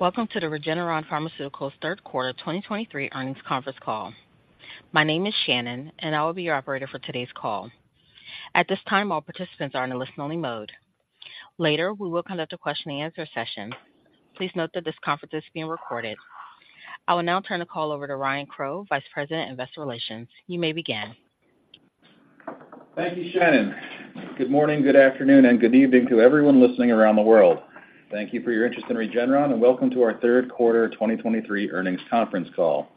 Welcome to the Regeneron Pharmaceuticals third quarter 2023 earnings conference call. My name is Shannon, and I will be your operator for today's call. At this time, all participants are in a listen-only mode. Later, we will conduct a question-and-answer session. Please note that this conference is being recorded. I will now turn the call over to Ryan Crowe, Vice President of Investor Relations. You may begin. Thank you, Shannon. Good morning, good afternoon, and good evening to everyone listening around the world. Thank you for your interest in Regeneron, and welcome to our third quarter 2023 earnings conference call.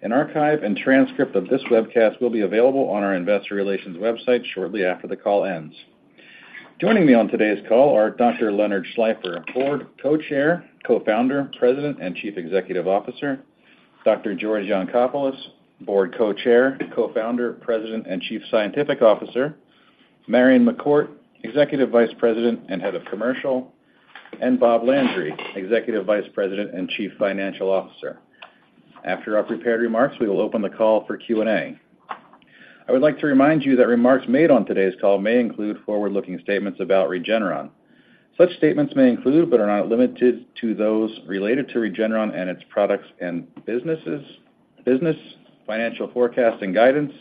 An archive and transcript of this webcast will be available on our investor relations website shortly after the call ends. Joining me on today's call are Dr. Leonard Schleifer, Board Co-Chair, Co-Founder, President, and Chief Executive Officer, Dr. George Yancopoulos, Board Co-Chair, Co-Founder, President, and Chief Scientific Officer, Marion McCourt, Executive Vice President and Head of Commercial, and Bob Landry, Executive Vice President and Chief Financial Officer. After our prepared remarks, we will open the call for Q&A. I would like to remind you that remarks made on today's call may include forward-looking statements about Regeneron. Such statements may include, but are not limited to, those related to Regeneron and its products and businesses—business, financial forecast and guidance,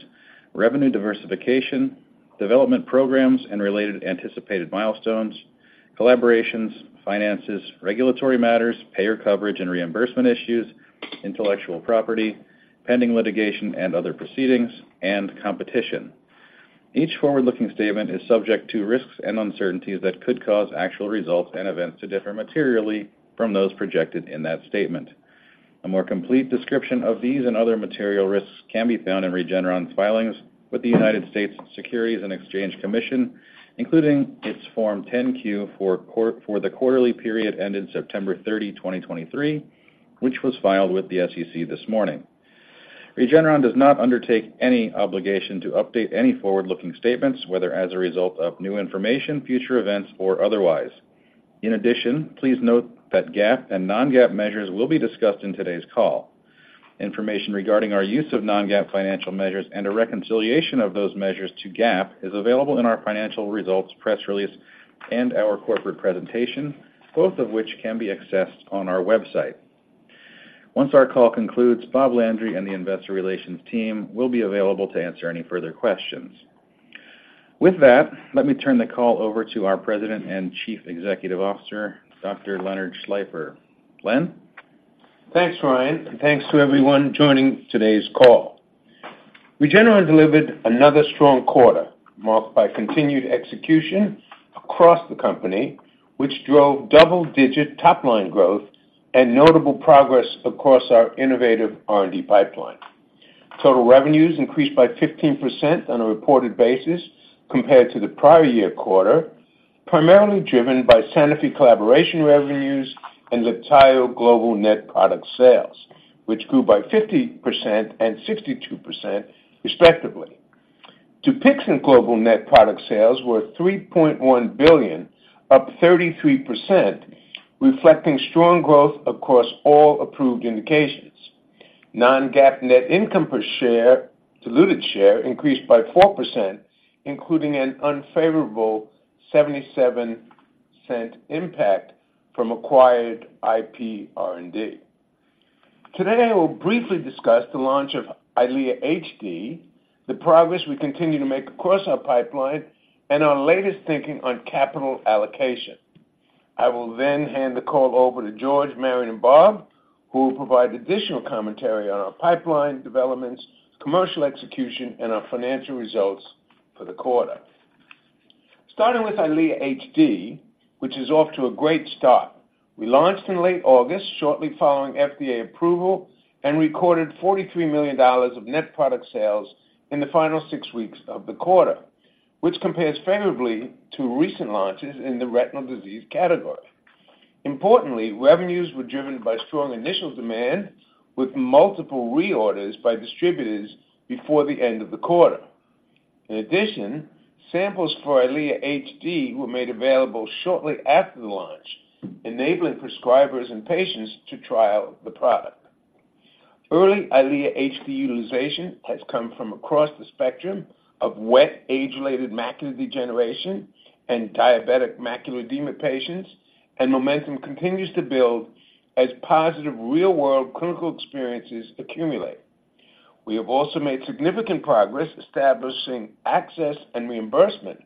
revenue diversification, development programs, and related anticipated milestones, collaborations, finances, regulatory matters, payer coverage and reimbursement issues, intellectual property, pending litigation and other proceedings, and competition. Each forward-looking statement is subject to risks and uncertainties that could cause actual results and events to differ materially from those projected in that statement. A more complete description of these and other material risks can be found in Regeneron's filings with the United States Securities and Exchange Commission, including its Form 10-Q for the quarterly period ending September 30, 2023, which was filed with the SEC this morning. Regeneron does not undertake any obligation to update any forward-looking statements, whether as a result of new information, future events, or otherwise. In addition, please note that GAAP and non-GAAP measures will be discussed in today's call. Information regarding our use of non-GAAP financial measures and a reconciliation of those measures to GAAP is available in our financial results, press release, and our corporate presentation, both of which can be accessed on our website. Once our call concludes, Bob Landry and the investor relations team will be available to answer any further questions. With that, let me turn the call over to our President and Chief Executive Officer, Dr. Leonard Schleifer. Len? Thanks, Ryan, and thanks to everyone joining today's call. Regeneron delivered another strong quarter, marked by continued execution across the company, which drove double-digit top-line growth and notable progress across our innovative R&D pipeline. Total revenues increased by 15% on a reported basis compared to the prior year quarter, primarily driven by Sanofi collaboration revenues and LIBTAYO global net product sales, which grew by 50% and 62% respectively. Dupixent global net product sales were $3.1 billion, up 33%, reflecting strong growth across all approved indications. Non-GAAP net income per share, diluted share increased by 4%, including an unfavorable $0.77 impact from acquired IPR&D. Today, I will briefly discuss the launch of EYLEA HD, the progress we continue to make across our pipeline, and our latest thinking on capital allocation. I will then hand the call over to George, Marion, and Bob, who will provide additional commentary on our pipeline developments, commercial execution, and our financial results for the quarter. Starting with EYLEA HD, which is off to a great start. We launched in late August, shortly following FDA approval, and recorded $43 million of net product sales in the final six weeks of the quarter, which compares favorably to recent launches in the retinal disease category. Importantly, revenues were driven by strong initial demand, with multiple reorders by distributors before the end of the quarter. In addition, samples for EYLEA HD were made available shortly after the launch, enabling prescribers and patients to try out the product. Early EYLEA HD utilization has come from across the spectrum of wet age-related macular degeneration and diabetic macular edema patients, and momentum continues to build as positive real-world clinical experiences accumulate. We have also made significant progress establishing access and reimbursement,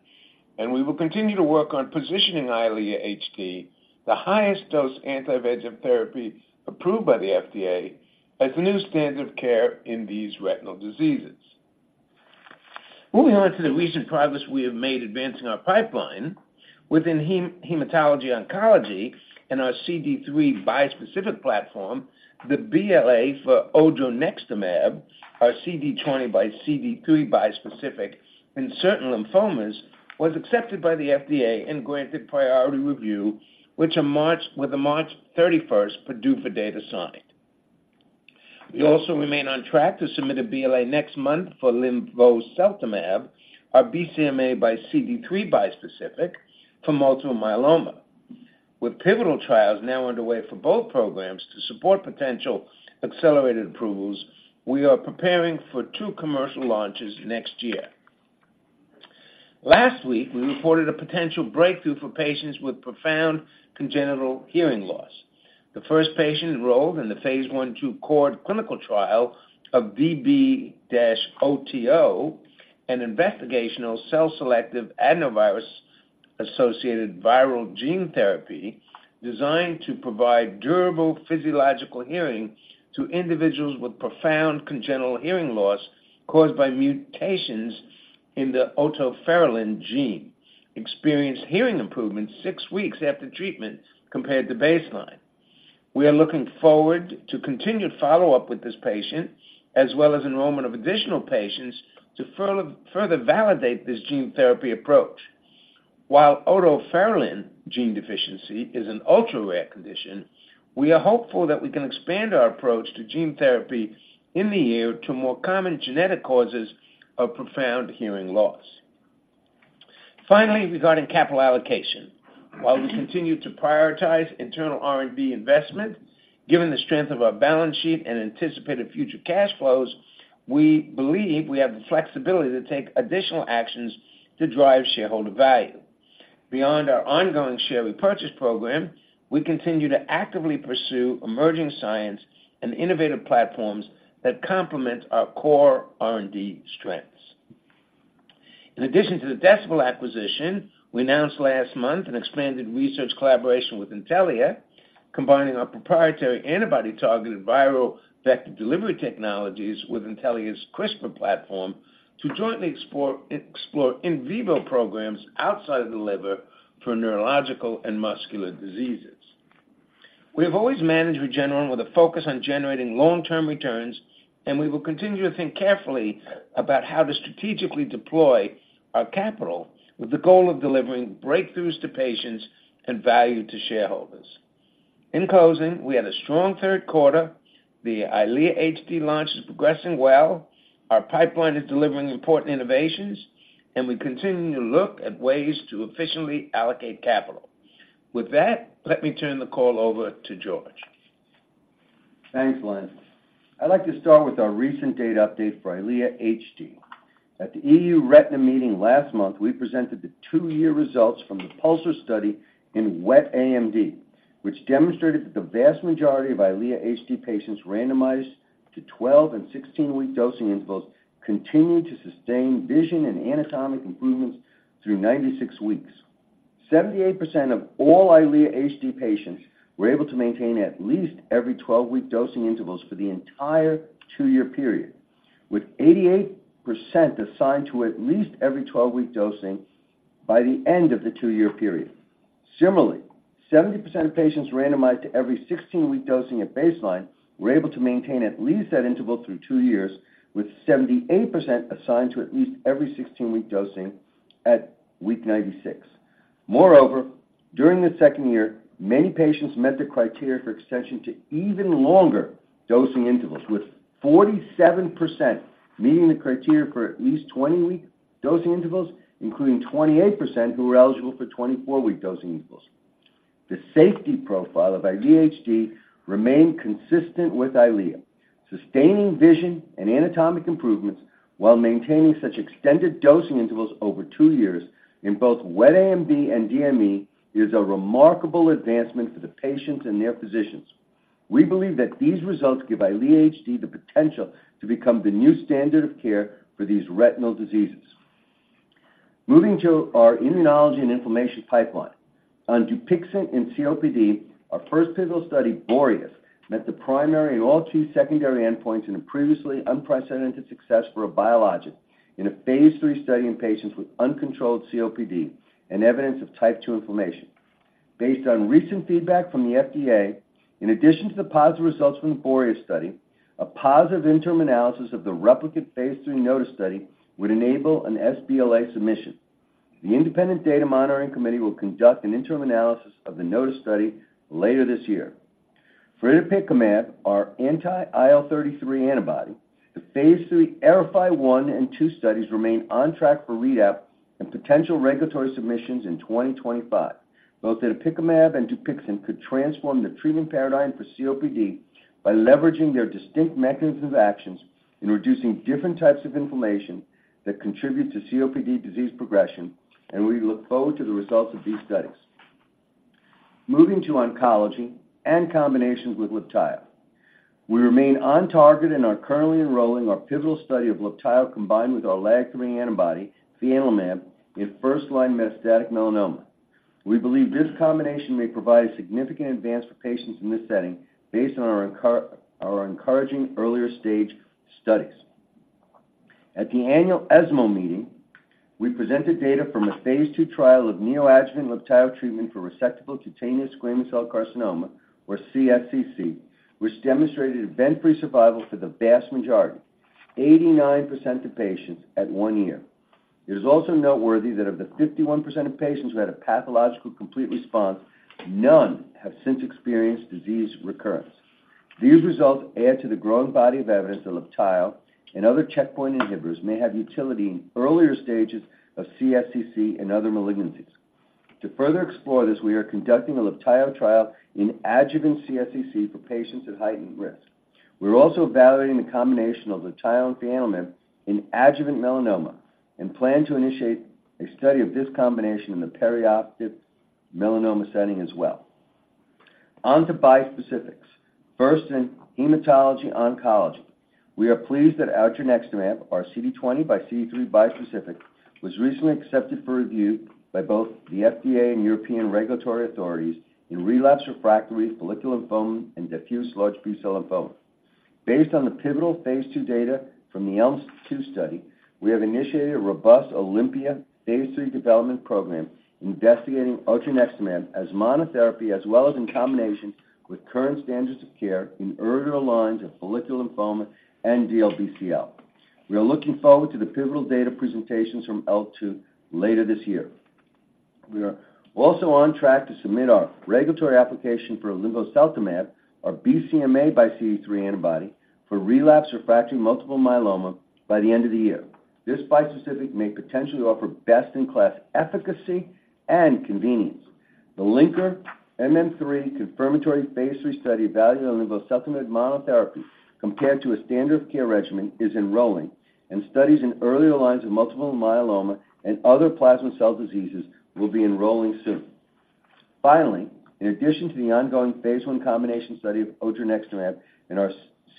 and we will continue to work on positioning EYLEA HD, the highest dose anti-VEGF therapy approved by the FDA, as the new standard of care in these retinal diseases. Moving on to the recent progress we have made advancing our pipeline within hematology oncology and our CD3 bispecific platform, the BLA for Odronextamab, our CD20 by CD3 bispecific in certain lymphomas, was accepted by the FDA and granted priority review, with a March 31st PDUFA date assigned. We also remain on track to submit a BLA next month for Linvoseltimab, our BCMA by CD3 bispecific for multiple myeloma. With pivotal trials now underway for both programs to support potential accelerated approvals, we are preparing for two commercial launches next year. Last week, we reported a potential breakthrough for patients with profound congenital hearing loss. The first patient enrolled in the Phase 1/2 CHORD clinical trial of DB-OTO, an investigational cell-selective adeno-associated viral gene therapy designed to provide durable physiological hearing to individuals with profound congenital hearing loss caused by mutations in the otoferlin gene, experienced hearing improvements six weeks after treatment compared to baseline. We are looking forward to continued follow-up with this patient, as well as enrollment of additional patients to further validate this gene therapy approach. While otoferlin gene deficiency is an ultra-rare condition, we are hopeful that we can expand our approach to gene therapy in the year to more common genetic causes of profound hearing loss. Finally, regarding capital allocation. While we continue to prioritize internal R&D investment, given the strength of our balance sheet and anticipated future cash flows, we believe we have the flexibility to take additional actions to drive shareholder value. Beyond our ongoing share repurchase program, we continue to actively pursue emerging science and innovative platforms that complement our core R&D strengths. In addition to the Decibel acquisition, we announced last month an expanded research collaboration with Intellia, combining our proprietary antibody-targeted viral vector delivery technologies with Intellia's CRISPR platform to jointly explore in vivo programs outside of the liver for neurological and muscular diseases. We have always managed Regeneron with a focus on generating long-term returns, and we will continue to think carefully about how to strategically deploy our capital with the goal of delivering breakthroughs to patients and value to shareholders. In closing, we had a strong third quarter. The EYLEA HD launch is progressing well, our pipeline is delivering important innovations, and we continue to look at ways to efficiently allocate capital. With that, let me turn the call over to George. Thanks, Len. I'd like to start with our recent data update for EYLEA HD. At the EU Retina meeting last month, we presented the two-year results from the PULSAR study in wet AMD, which demonstrated that the vast majority of EYLEA HD patients randomized to 12 and 16-week dosing intervals continued to sustain vision and anatomic improvements through 96 weeks. 78% of all EYLEA HD patients were able to maintain at least every 12-week dosing intervals for the entire two year period, with 88% assigned to at least every 12-week dosing by the end of the two year period. Similarly, 70% of patients randomized to every 16-week dosing at baseline were able to maintain at least that interval through two years, with 78% assigned to at least every 16-week dosing at week 96. Moreover, during the second year, many patients met the criteria for extension to even longer dosing intervals, with 47% meeting the criteria for at least 20-week dosing intervals, including 28% who were eligible for 24-week dosing intervals. The safety profile of EYLEA HD remained consistent with EYLEA. Sustaining vision and anatomic improvements while maintaining such extended dosing intervals over two years in both wet AMD and DME is a remarkable advancement for the patients and their physicians. We believe that these results give EYLEA HD the potential to become the new standard of care for these retinal diseases. Moving to our immunology and inflammation pipeline. On Dupixent in COPD, our first pivotal study, BOREAS, met the primary and all two secondary endpoints in a previously unprecedented success for a biologic in a Phase III study in patients with uncontrolled COPD and evidence of Type 2 inflammation. Based on recent feedback from the FDA, in addition to the positive results from the BOREAS study, a positive interim analysis of the replicate Phase III NOTUS study would enable an sBLA submission. The independent data monitoring committee will conduct an interim analysis of the NOTUS study later this year. For itepekimab, our anti-IL-33 antibody, the Phase III AERIFY 1 and 2 studies remain on track for readout and potential regulatory submissions in 2025. Both itepekimab and Dupixent could transform the treatment paradigm for COPD by leveraging their distinct mechanisms of actions in reducing different types of inflammation that contribute to COPD disease progression, and we look forward to the results of these studies. Moving to oncology and combinations with LIBTAYO. We remain on target and are currently enrolling our pivotal study of LIBTAYO combined with our LAG-3 antibody, fianlimab, in first-line metastatic melanoma. We believe this combination may provide a significant advance for patients in this setting based on our encouraging earlier stage studies. At the annual ESMO meeting, we presented data from a Phase II trial of neoadjuvant LIBTAYO treatment for resectable cutaneous squamous cell carcinoma, or CSCC, which demonstrated event-free survival for the vast majority, 89% of patients at one year. It is also noteworthy that of the 51% of patients who had a pathological complete response, none have since experienced disease recurrence. These results add to the growing body of evidence that LIBTAYO and other checkpoint inhibitors may have utility in earlier stages of CSCC and other malignancies.... To further explore this, we are conducting a LIBTAYO trial in adjuvant CSCC for patients at heightened risk. We're also evaluating the combination of LIBTAYO and Vidutolimod in adjuvant melanoma, and plan to initiate a study of this combination in the perioperative melanoma setting as well. On to bispecifics. First, in hematology oncology, we are pleased that odronextamab, our CD20 x CD3 bispecific, was recently accepted for review by both the FDA and European regulatory authorities in relapsed refractory follicular lymphoma and diffuse large B-cell lymphoma. Based on the pivotal Phase II data from the ELMS-2 study, we have initiated a robust OLYMPIA Phase III development program investigating odronextamab as monotherapy, as well as in combination with current standards of care in earlier lines of follicular lymphoma and DLBCL. We are looking forward to the pivotal data presentations from ELM-2 later this year. We are also on track to submit our regulatory application for linvoseltimab, our BCMA x CD3 antibody, for relapsed refractory multiple myeloma by the end of the year. This bispecific may potentially offer best-in-class efficacy and convenience. The LINKER-MM3 confirmatory Phase III study evaluating linvoseltimab monotherapy compared to a standard of care regimen is enrolling, and studies in earlier lines of multiple myeloma and other plasma cell diseases will be enrolling soon. Finally, in addition to the ongoing Phase I combination study of odronextamab and our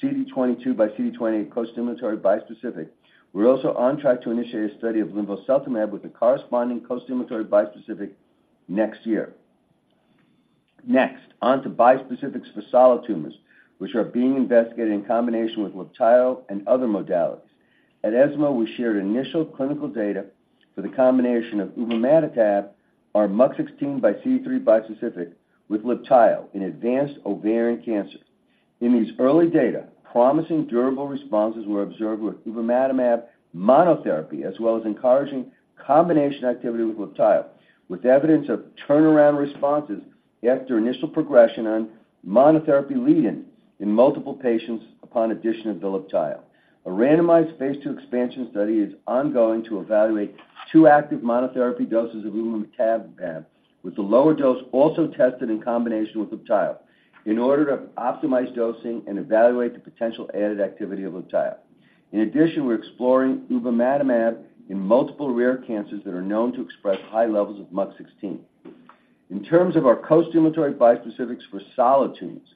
CD22 x CD28 costimulatory bispecific, we're also on track to initiate a study of linvoseltimab with the corresponding costimulatory bispecific next year. Next, on to bispecifics for solid tumors, which are being investigated in combination with LIBTAYO and other modalities. At ESMO, we shared initial clinical data for the combination of ubamatamab, our MUC16 x CD3 bispecific, with LIBTAYO in advanced ovarian cancer. In these early data, promising durable responses were observed with ubamatamab monotherapy, as well as encouraging combination activity with LIBTAYO, with evidence of turnaround responses after initial progression on monotherapy lead-in in multiple patients upon addition of the LIBTAYO. A randomized Phase II expansion study is ongoing to evaluate two active monotherapy doses of ubamatamab, with the lower dose also tested in combination with LIBTAYO, in order to optimize dosing and evaluate the potential added activity of LIBTAYO. In addition, we're exploring ubamatamab in multiple rare cancers that are known to express high levels of MUC16. In terms of our costimulatory bispecifics for solid tumors,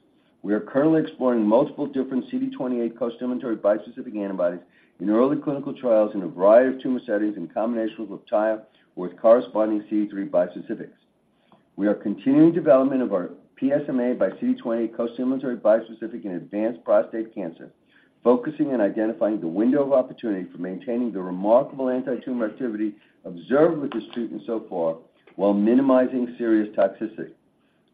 we are currently exploring multiple different CD28 costimulatory bispecific antibodies in early clinical trials in a variety of tumor settings in combination with LIBTAYO or with corresponding CD3 bispecifics. We are continuing development of our PSMA by CD28 costimulatory bispecific in advanced prostate cancer, focusing on identifying the window of opportunity for maintaining the remarkable antitumor activity observed with this treatment so far, while minimizing serious toxicity.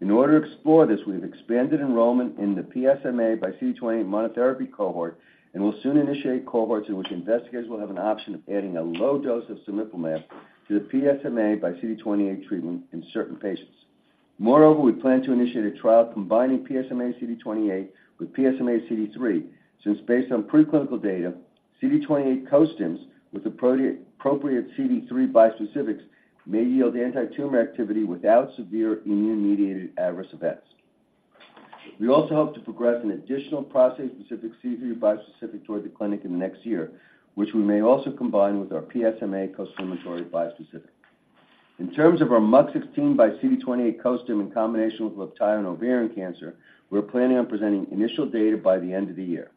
In order to explore this, we've expanded enrollment in the PSMA by CD28 monotherapy cohort and will soon initiate cohorts in which investigators will have an option of adding a low dose of cemiplimab to the PSMA by CD28 treatment in certain patients. Moreover, we plan to initiate a trial combining PSMA CD28 with PSMA CD3, since based on preclinical data, CD28 costims with appropriate CD3 bispecifics may yield antitumor activity without severe immune-mediated adverse events. We also hope to progress an additional prostate-specific CD3 bispecific toward the clinic in the next year, which we may also combine with our PSMA costimulatory bispecific. In terms of our MUC16 x CD28 costim in combination with LIBTAYO and ovarian cancer, we're planning on presenting initial data by the end of the year.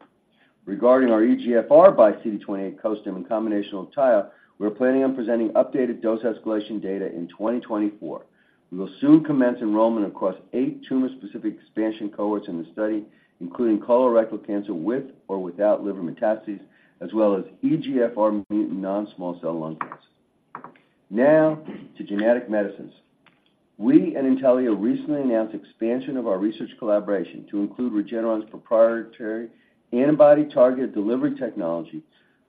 Regarding our EGFR x CD28 costim in combination with LIBTAYO, we're planning on presenting updated dose escalation data in 2024. We will soon commence enrollment across eight tumor-specific expansion cohorts in the study, including colorectal cancer with or without liver metastases, as well as EGFR mutant non-small cell lung cancer. Now, to genetic medicines. We and Intellia recently announced expansion of our research collaboration to include Regeneron's proprietary antibody-targeted delivery technology,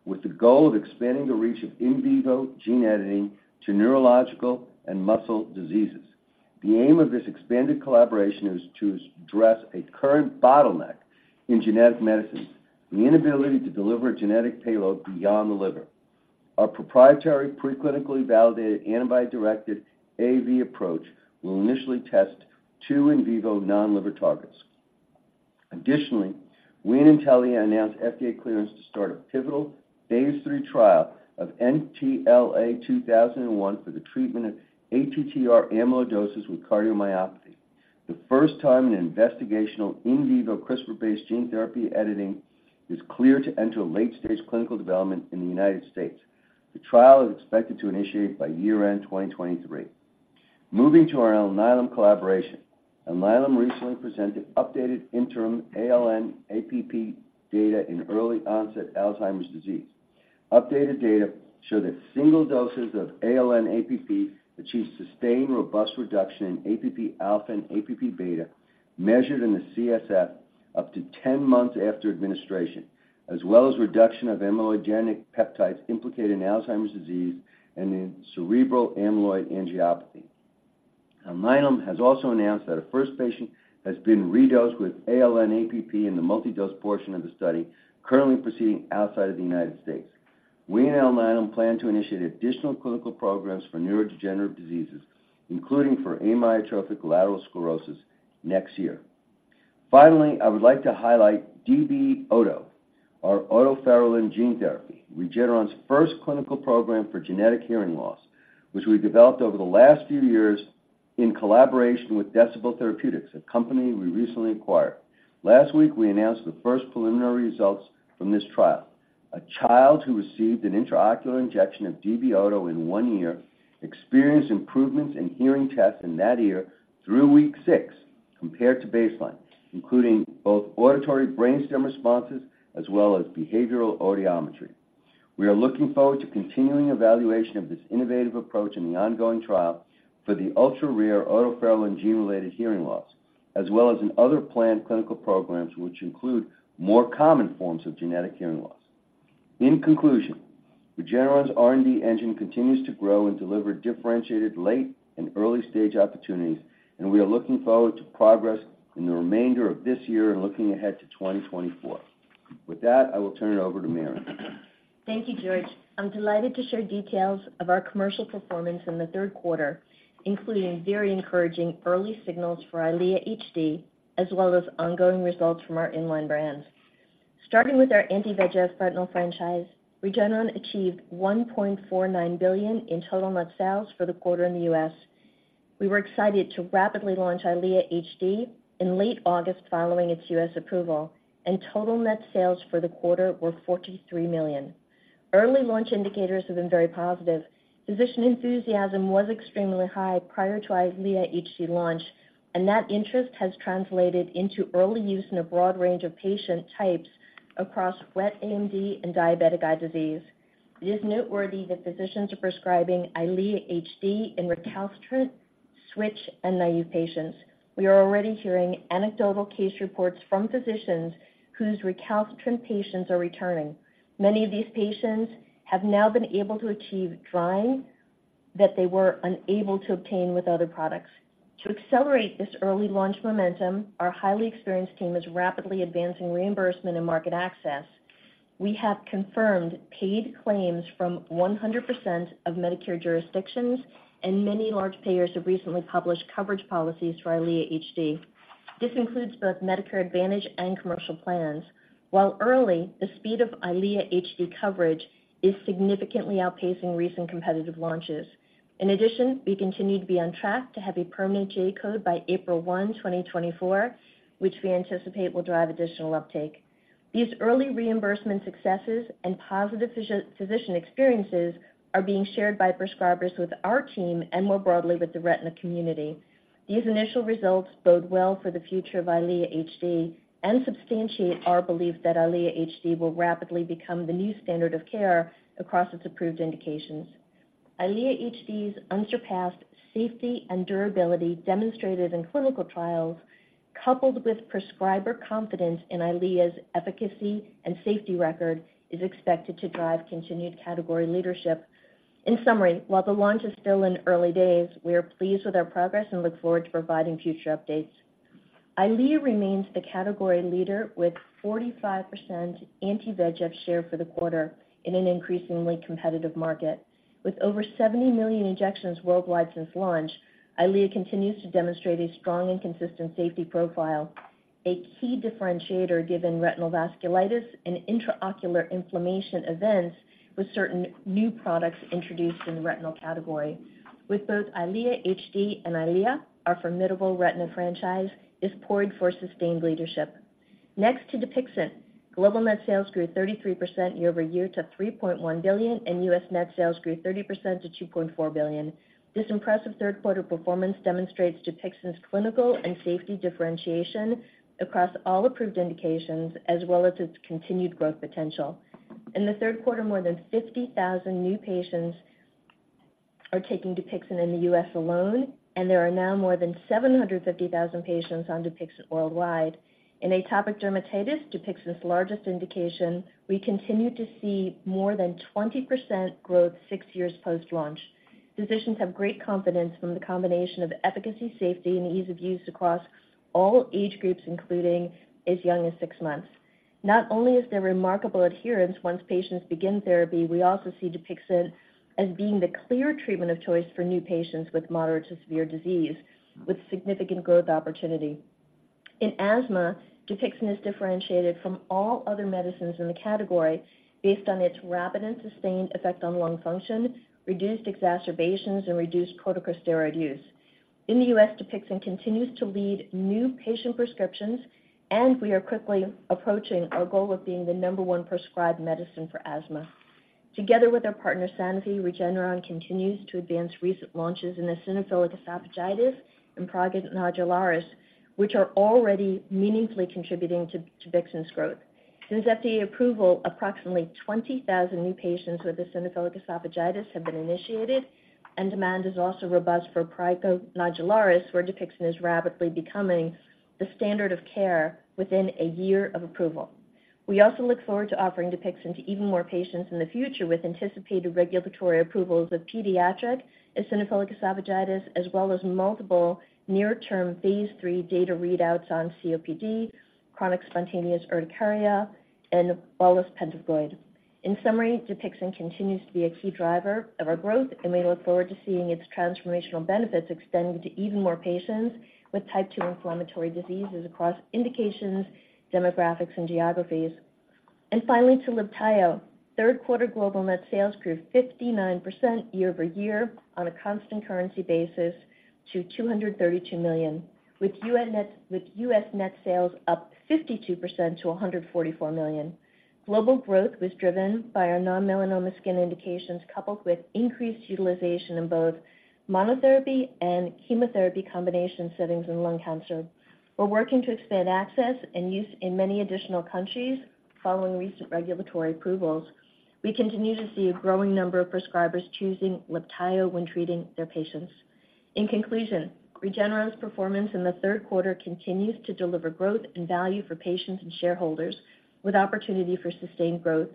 with the goal of expanding the reach of in vivo gene editing to neurological and muscle diseases. The aim of this expanded collaboration is to address a current bottleneck in genetic medicine, the inability to deliver a genetic payload beyond the liver. Our proprietary, preclinically validated, antibody-directed AAV approach will initially test two in vivo non-liver targets. Additionally, we and Intellia announced FDA clearance to start a pivotal Phase III trial of NTLA-2001 for the treatment of ATTR amyloidosis with cardiomyopathy, the first time an investigational in vivo CRISPR-based gene therapy editing is cleared to enter late-stage clinical development in the United States. The trial is expected to initiate by year-end 2023. Moving to our Alnylam collaboration. Alnylam recently presented updated interim ALN-APP data in early-onset Alzheimer's disease. Updated data show that single doses of ALN-APP achieved sustained, robust reduction in APP alpha and APP beta, measured in the CSF up to 10 months after administration, as well as reduction of amyloidogenic peptides implicated in Alzheimer's disease and in cerebral amyloid angiopathy. Alnylam has also announced that a first patient has been redosed with ALN-APP in the multi-dose portion of the study, currently proceeding outside of the United States. We and Alnylam plan to initiate additional clinical programs for neurodegenerative diseases, including for amyotrophic lateral sclerosis next year. Finally, I would like to highlight DB-OTO, our otoferlin gene therapy, Regeneron's first clinical program for genetic hearing loss, which we developed over the last few years in collaboration with Decibel Therapeutics, a company we recently acquired. Last week, we announced the first preliminary results from this trial. A child who received an intraocular injection of DB-OTO in one ear experienced improvements in hearing tests in that ear through week six compared to baseline, including both auditory brainstem responses as well as behavioral audiometry. We are looking forward to continuing evaluation of this innovative approach in the ongoing trial for the ultra-rare otoferlin gene-related hearing loss, as well as in other planned clinical programs, which include more common forms of genetic hearing loss. In conclusion, Regeneron's R&D engine continues to grow and deliver differentiated late and early-stage opportunities, and we are looking forward to progress in the remainder of this year and looking ahead to 2024. With that, I will turn it over to Marion. Thank you, George. I'm delighted to share details of our commercial performance in the third quarter, including very encouraging early signals for EYLEA HD, as well as ongoing results from our in-line brands. Starting with our anti-VEGF retinal franchise, Regeneron achieved $1.49 billion in total net sales for the quarter in the U.S. We were excited to rapidly launch EYLEA HD in late August following its U.S. approval, and total net sales for the quarter were $43 million. Early launch indicators have been very positive. Physician enthusiasm was extremely high prior to EYLEA HD launch, and that interest has translated into early use in a broad range of patient types across wet AMD and diabetic eye disease. It is noteworthy that physicians are prescribing EYLEA HD in recalcitrant, switch, and naive patients. We are already hearing anecdotal case reports from physicians whose recalcitrant patients are returning. Many of these patients have now been able to achieve drying that they were unable to obtain with other products. To accelerate this early launch momentum, our highly experienced team is rapidly advancing reimbursement and market access. We have confirmed paid claims from 100% of Medicare jurisdictions, and many large payers have recently published coverage policies for EYLEA HD. This includes both Medicare Advantage and commercial plans. While early, the speed of EYLEA HD coverage is significantly outpacing recent competitive launches. In addition, we continue to be on track to have a permanent J-Code by April 1, 2024, which we anticipate will drive additional uptake. These early reimbursement successes and positive physician experiences are being shared by prescribers with our team and more broadly with the retina community. These initial results bode well for the future of EYLEA HD and substantiate our belief that EYLEA HD will rapidly become the new standard of care across its approved indications. EYLEA HD's unsurpassed safety and durability demonstrated in clinical trials, coupled with prescriber confidence in EYLEA's efficacy and safety record, is expected to drive continued category leadership. In summary, while the launch is still in early days, we are pleased with our progress and look forward to providing future updates. EYLEA remains the category leader with 45% anti-VEGF share for the quarter in an increasingly competitive market. With over 70 million injections worldwide since launch, EYLEA continues to demonstrate a strong and consistent safety profile, a key differentiator given retinal vasculitis and intraocular inflammation events with certain new products introduced in the retinal category. With both EYLEA HD and EYLEA, our formidable retina franchise is poised for sustained leadership. Next to Dupixent. Global net sales grew 33% year-over-year to $3.1 billion, and U.S. net sales grew 30% to $2.4 billion. This impressive third quarter performance demonstrates Dupixent's clinical and safety differentiation across all approved indications, as well as its continued growth potential. In the third quarter, more than 50,000 new patients are taking Dupixent in the U.S. alone, and there are now more than 750,000 patients on Dupixent worldwide. In atopic dermatitis, Dupixent's largest indication, we continue to see more than 20% growth six years post-launch. Physicians have great confidence from the combination of efficacy, safety, and ease of use across all age groups, including as young as six months. Not only is there remarkable adherence once patients begin therapy, we also see Dupixent as being the clear treatment of choice for new patients with moderate to severe disease, with significant growth opportunity. In asthma, Dupixent is differentiated from all other medicines in the category based on its rapid and sustained effect on lung function, reduced exacerbations, and reduced prolonged corticosteroid use. In the U.S., Dupixent continues to lead new patient prescriptions, and we are quickly approaching our goal of being the number one prescribed medicine for asthma. Together with our partner, Sanofi, Regeneron continues to advance recent launches in eosinophilic esophagitis and prurigo nodularis, which are already meaningfully contributing to Dupixent's growth. Since FDA approval, approximately 20,000 new patients with eosinophilic esophagitis have been initiated, and demand is also robust for prurigo nodularis, where Dupixent is rapidly becoming the standard of care within a year of approval. We also look forward to offering DUPIXENT to even more patients in the future, with anticipated regulatory approvals of pediatric eosinophilic esophagitis, as well as multiple near-term Phase III data readouts on COPD, chronic spontaneous urticaria, and bullous pemphigoid. In summary, DUPIXENT continues to be a key driver of our growth, and we look forward to seeing its transformational benefits extended to even more patients with Type 2 inflammatory diseases across indications, demographics, and geographies. And finally, to LIBTAYO. Third quarter global net sales grew 59% year-over-year on a constant currency basis to $232 million, with US net sales up 52% to $144 million. Global growth was driven by our non-melanoma skin indications, coupled with increased utilization in both monotherapy and chemotherapy combination settings in lung cancer. We're working to expand access and use in many additional countries following recent regulatory approvals. We continue to see a growing number of prescribers choosing LIBTAYO when treating their patients. In conclusion, Regeneron's performance in the third quarter continues to deliver growth and value for patients and shareholders with opportunity for sustained growth.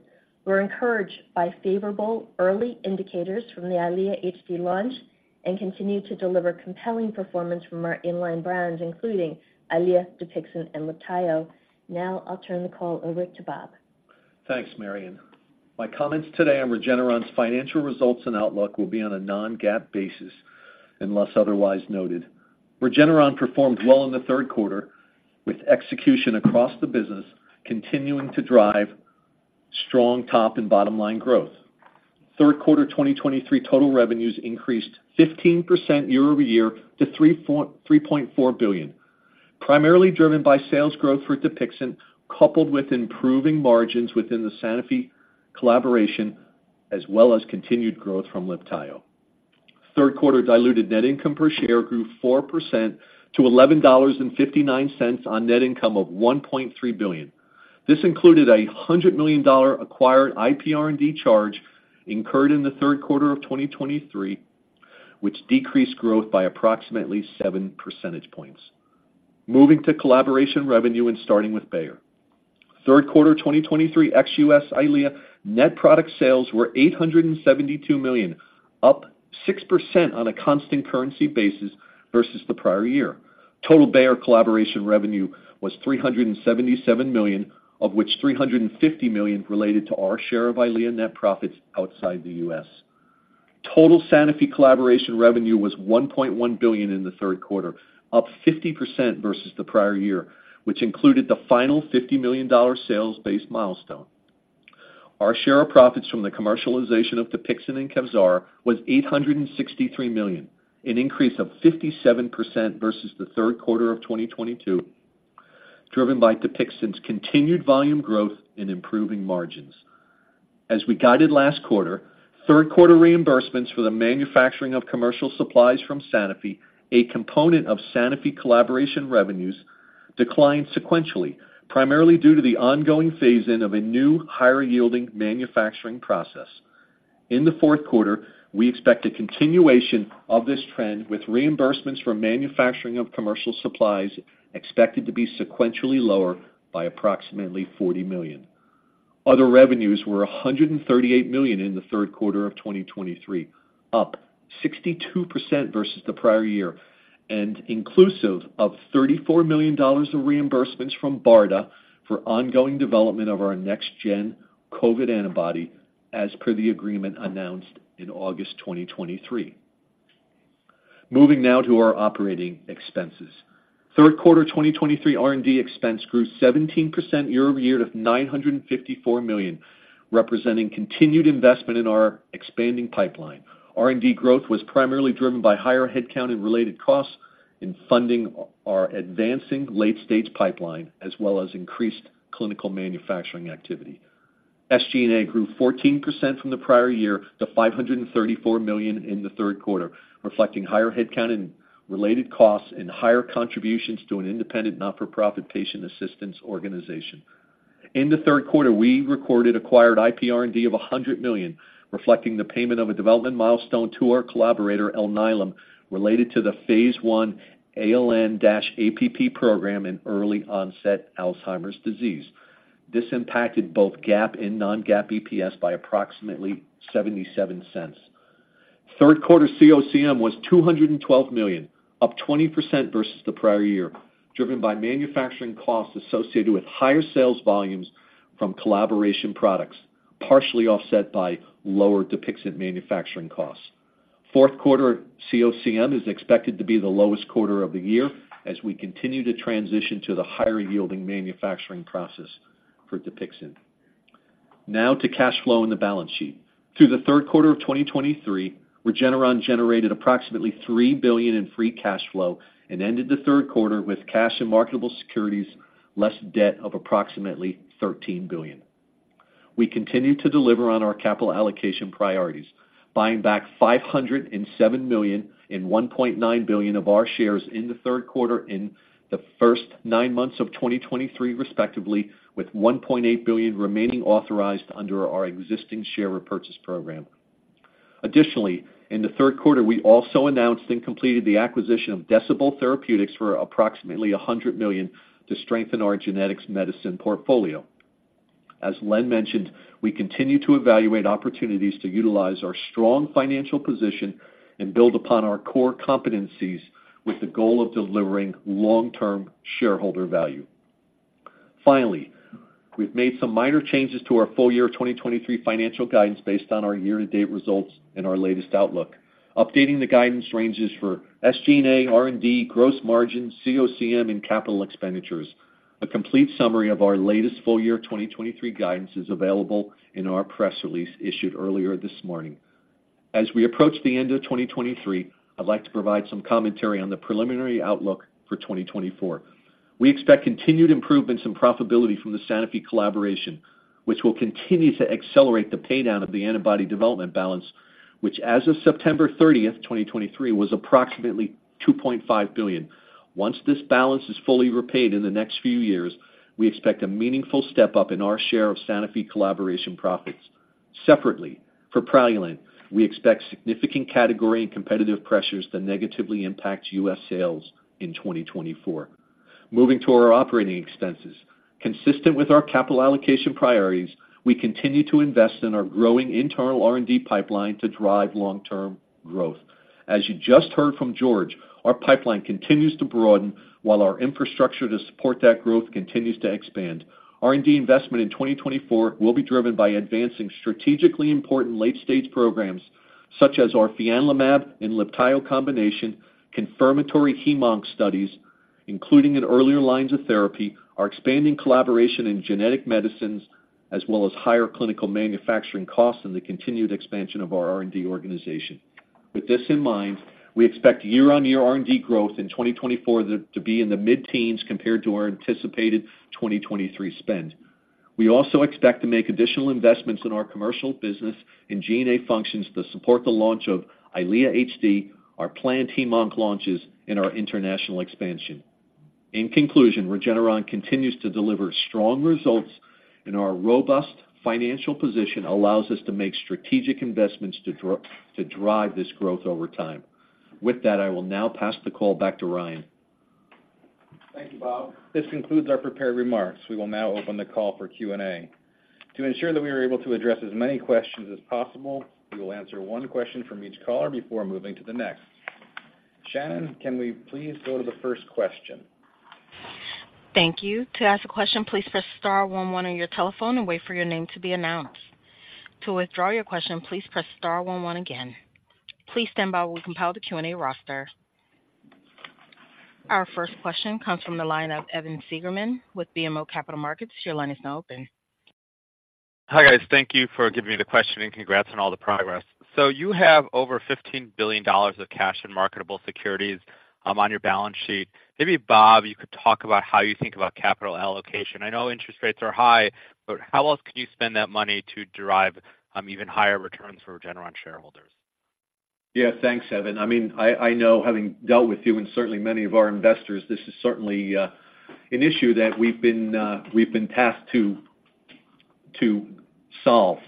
We're encouraged by favorable early indicators from the EYLEA HD launch and continue to deliver compelling performance from our in-line brands, including EYLEA, Dupixent, and LIBTAYO. Now I'll turn the call over to Bob. Thanks, Marion. My comments today on Regeneron's financial results and outlook will be on a non-GAAP basis unless otherwise noted. Regeneron performed well in the third quarter, with execution across the business continuing to drive strong top and bottom-line growth. Third quarter 2023 total revenues increased 15% year over year to $3.4 billion, primarily driven by sales growth for DUPIXENT, coupled with improving margins within the Sanofi collaboration, as well as continued growth from LIBTAYO. Third quarter diluted net income per share grew 4% to $11.59 on net income of $1.3 billion. This included a $100 million acquired IPR&D charge incurred in the third quarter of 2023, which decreased growth by approximately 7 percentage points. Moving to collaboration revenue and starting with Bayer. Third quarter 2023 ex-US EYLEA net product sales were $872 million, up 6% on a constant currency basis versus the prior year. Total Bayer collaboration revenue was $377 million, of which $350 million related to our share of EYLEA net profits outside the US. Total Sanofi collaboration revenue was $1.1 billion in the third quarter, up 50% versus the prior year, which included the final $50 million sales-based milestone. Our share of profits from the commercialization of DUPIXENT and Kevzara was $863 million, an increase of 57% versus the third quarter of 2022, driven by DUPIXENT's continued volume growth and improving margins. As we guided last quarter, third quarter reimbursements for the manufacturing of commercial supplies from Sanofi, a component of Sanofi collaboration revenues, declined sequentially, primarily due to the ongoing phase-in of a new, higher-yielding manufacturing process. In the fourth quarter, we expect a continuation of this trend, with reimbursements for manufacturing of commercial supplies expected to be sequentially lower by approximately $40 million. Other revenues were $138 million in the third quarter of 2023, up 62% versus the prior year, and inclusive of $34 million of reimbursements from BARDA for ongoing development of our next-gen COVID antibody, as per the agreement announced in August 2023. Moving now to our operating expenses. Third quarter 2023 R&D expense grew 17% year-over-year to $954 million, representing continued investment in our expanding pipeline. R&D growth was primarily driven by higher headcount and related costs in funding our advancing late-stage pipeline, as well as increased clinical manufacturing activity. SG&A grew 14% from the prior year to $534 million in the third quarter, reflecting higher headcount and related costs and higher contributions to an independent, not-for-profit patient assistance organization. In the third quarter, we recorded acquired IPR&D of $100 million, reflecting the payment of a development milestone to our collaborator, Alnylam, related to the Phase I ALN-APP program in early-onset Alzheimer's disease. This impacted both GAAP and non-GAAP EPS by approximately $0.77. Third quarter COCM was $212 million, up 20% versus the prior year, driven by manufacturing costs associated with higher sales volumes from collaboration products, partially offset by lower DUPIXENT manufacturing costs. Fourth quarter COCM is expected to be the lowest quarter of the year as we continue to transition to the higher-yielding manufacturing process for Dupixent. Now to cash flow and the balance sheet. Through the third quarter of 2023, Regeneron generated approximately $3 billion in free cash flow and ended the third quarter with cash and marketable securities, less debt of approximately $13 billion. We continue to deliver on our capital allocation priorities, buying back $507 million and $1.9 billion of our shares in the third quarter in the first nine months of 2023, respectively, with $1.8 billion remaining authorized under our existing share repurchase program. Additionally, in the third quarter, we also announced and completed the acquisition of Decibel Therapeutics for approximately $100 million to strengthen our genetic medicines portfolio. As Len mentioned, we continue to evaluate opportunities to utilize our strong financial position and build upon our core competencies with the goal of delivering long-term shareholder value. Finally, we've made some minor changes to our full year 2023 financial guidance based on our year-to-date results and our latest outlook, updating the guidance ranges for SG&A, R&D, gross margins, COCM, and capital expenditures. A complete summary of our latest full year 2023 guidance is available in our press release issued earlier this morning. As we approach the end of 2023, I'd like to provide some commentary on the preliminary outlook for 2024. We expect continued improvements in profitability from the Sanofi collaboration, which will continue to accelerate the paydown of the antibody development balance, which, as of September 30th, 2023, was approximately $2.5 billion. Once this balance is fully repaid in the next few years, we expect a meaningful step up in our share of Sanofi collaboration profits. Separately, for Praluent, we expect significant category and competitive pressures to negatively impact U.S. sales in 2024. Moving to our operating expenses. Consistent with our capital allocation priorities, we continue to invest in our growing internal R&D pipeline to drive long-term growth. As you just heard from George, our pipeline continues to broaden, while our infrastructure to support that growth continues to expand. R&D investment in 2024 will be driven by advancing strategically important late stage programs, such as our Fianlimab and LIBTAYO combination, confirmatory HEMONC studies, including in earlier lines of therapy, our expanding collaboration in genetic medicines, as well as higher clinical manufacturing costs and the continued expansion of our R&D organization. With this in mind, we expect year-on-year R&D growth in 2024 to be in the mid-teens compared to our anticipated 2023 spend. We also expect to make additional investments in our commercial business and G&A functions to support the launch of EYLEA HD, our planned HEMONC launches, and our international expansion. In conclusion, Regeneron continues to deliver strong results, and our robust financial position allows us to make strategic investments to drive this growth over time. With that, I will now pass the call back to Ryan. Thank you, Bob. This concludes our prepared remarks. We will now open the call for Q&A. To ensure that we are able to address as many questions as possible, we will answer one question from each caller before moving to the next. Shannon, can we please go to the first question? Thank you. To ask a question, please press star one one on your telephone and wait for your name to be announced. To withdraw your question, please press star one one again. Please stand by while we compile the Q&A roster. Our first question comes from the line of Evan Seigerman with BMO Capital Markets. Your line is now open. Hi, guys. Thank you for giving me the question, and congrats on all the progress. You have over $15 billion of cash and marketable securities on your balance sheet. Maybe, Bob, you could talk about how you think about capital allocation. I know interest rates are high, but how else can you spend that money to derive even higher returns for Regeneron shareholders? Yeah, thanks, Evan. I mean, I know having dealt with you and certainly many of our investors, this is certainly an issue that we've been tasked to solve.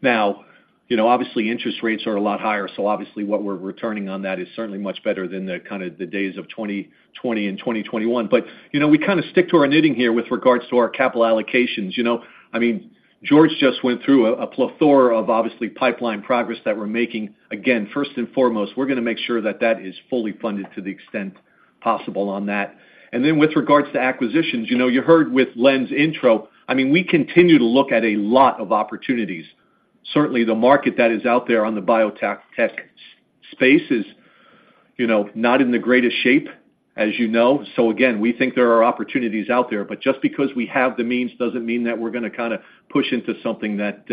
Now, you know, obviously, interest rates are a lot higher, so obviously, what we're returning on that is certainly much better than the kind of the days of 2020 and 2021. But, you know, we kind of stick to our knitting here with regards to our capital allocations. You know, I mean, George just went through a plethora of obviously pipeline progress that we're making. Again, first and foremost, we're gonna make sure that that is fully funded to the extent possible on that. And then with regards to acquisitions, you know, you heard with Len's intro, I mean, we continue to look at a lot of opportunities. Certainly, the market that is out there on the biotech space is, you know, not in the greatest shape, as you know. So again, we think there are opportunities out there, but just because we have the means, doesn't mean that we're gonna kinda push into something that,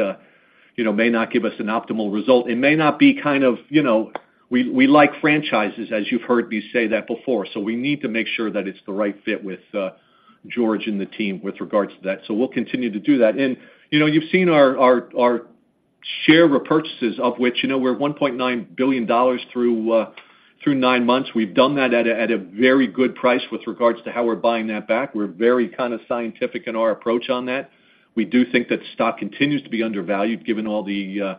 you know, may not give us an optimal result. It may not be kind of, you know... We, we like franchises, as you've heard me say that before, so we need to make sure that it's the right fit with George and the team with regards to that. So we'll continue to do that. And, you know, you've seen our, our, our share repurchases, of which, you know, we're $1.9 billion through nine months. We've done that at a, at a very good price with regards to how we're buying that back. We're very kind of scientific in our approach on that. We do think that stock continues to be undervalued, given all the,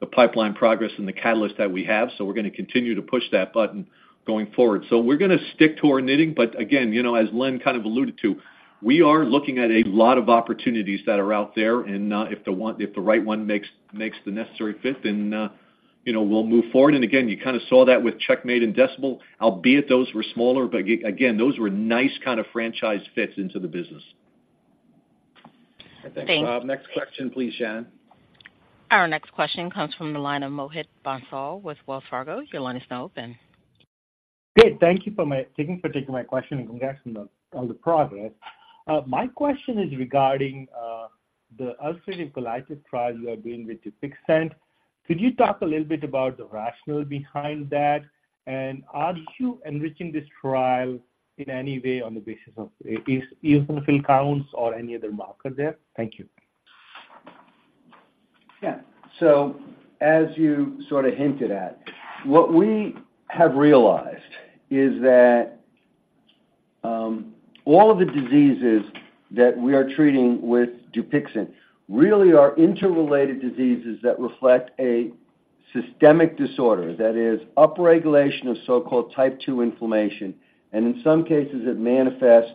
the pipeline progress and the catalyst that we have, so we're gonna continue to push that button going forward. So we're gonna stick to our knitting, but again, you know, as Len kind of alluded to, we are looking at a lot of opportunities that are out there, and, if the right one makes the necessary fit, then, you know, we'll move forward. And again, you kind of saw that with Checkmate and Decibel, albeit those were smaller, but again, those were nice kind of franchise fits into the business. Thanks. Thanks, Bob. Next question, please, Shannon. Our next question comes from the line of Mohit Bansal with Wells Fargo. Your line is now open. Great. Thank you for taking my question, and congrats on the progress. My question is regarding the ulcerative colitis trial you are doing with Dupixent. Could you talk a little bit about the rationale behind that? And are you enriching this trial in any way on the basis of eosinophil counts or any other marker there? Thank you. Yeah. So as you sort of hinted at, what we have realized is that all of the diseases that we are treating with Dupixent really are interrelated diseases that reflect a systemic disorder, that is upregulation of so-called Type 2 inflammation, and in some cases, it manifests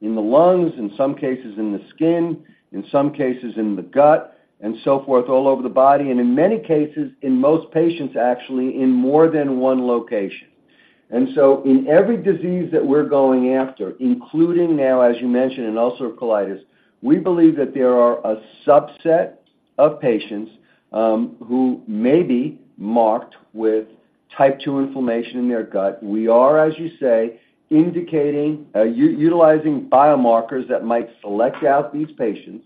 in the lungs, in some cases, in the skin, in some cases, in the gut, and so forth, all over the body, and in many cases, in most patients, actually in more than one location. So in every disease that we're going after, including now, as you mentioned, in ulcerative colitis, we believe that there are a subset of patients who may be marked with Type 2 inflammation in their gut. We are, as you say, indicating utilizing biomarkers that might select out these patients.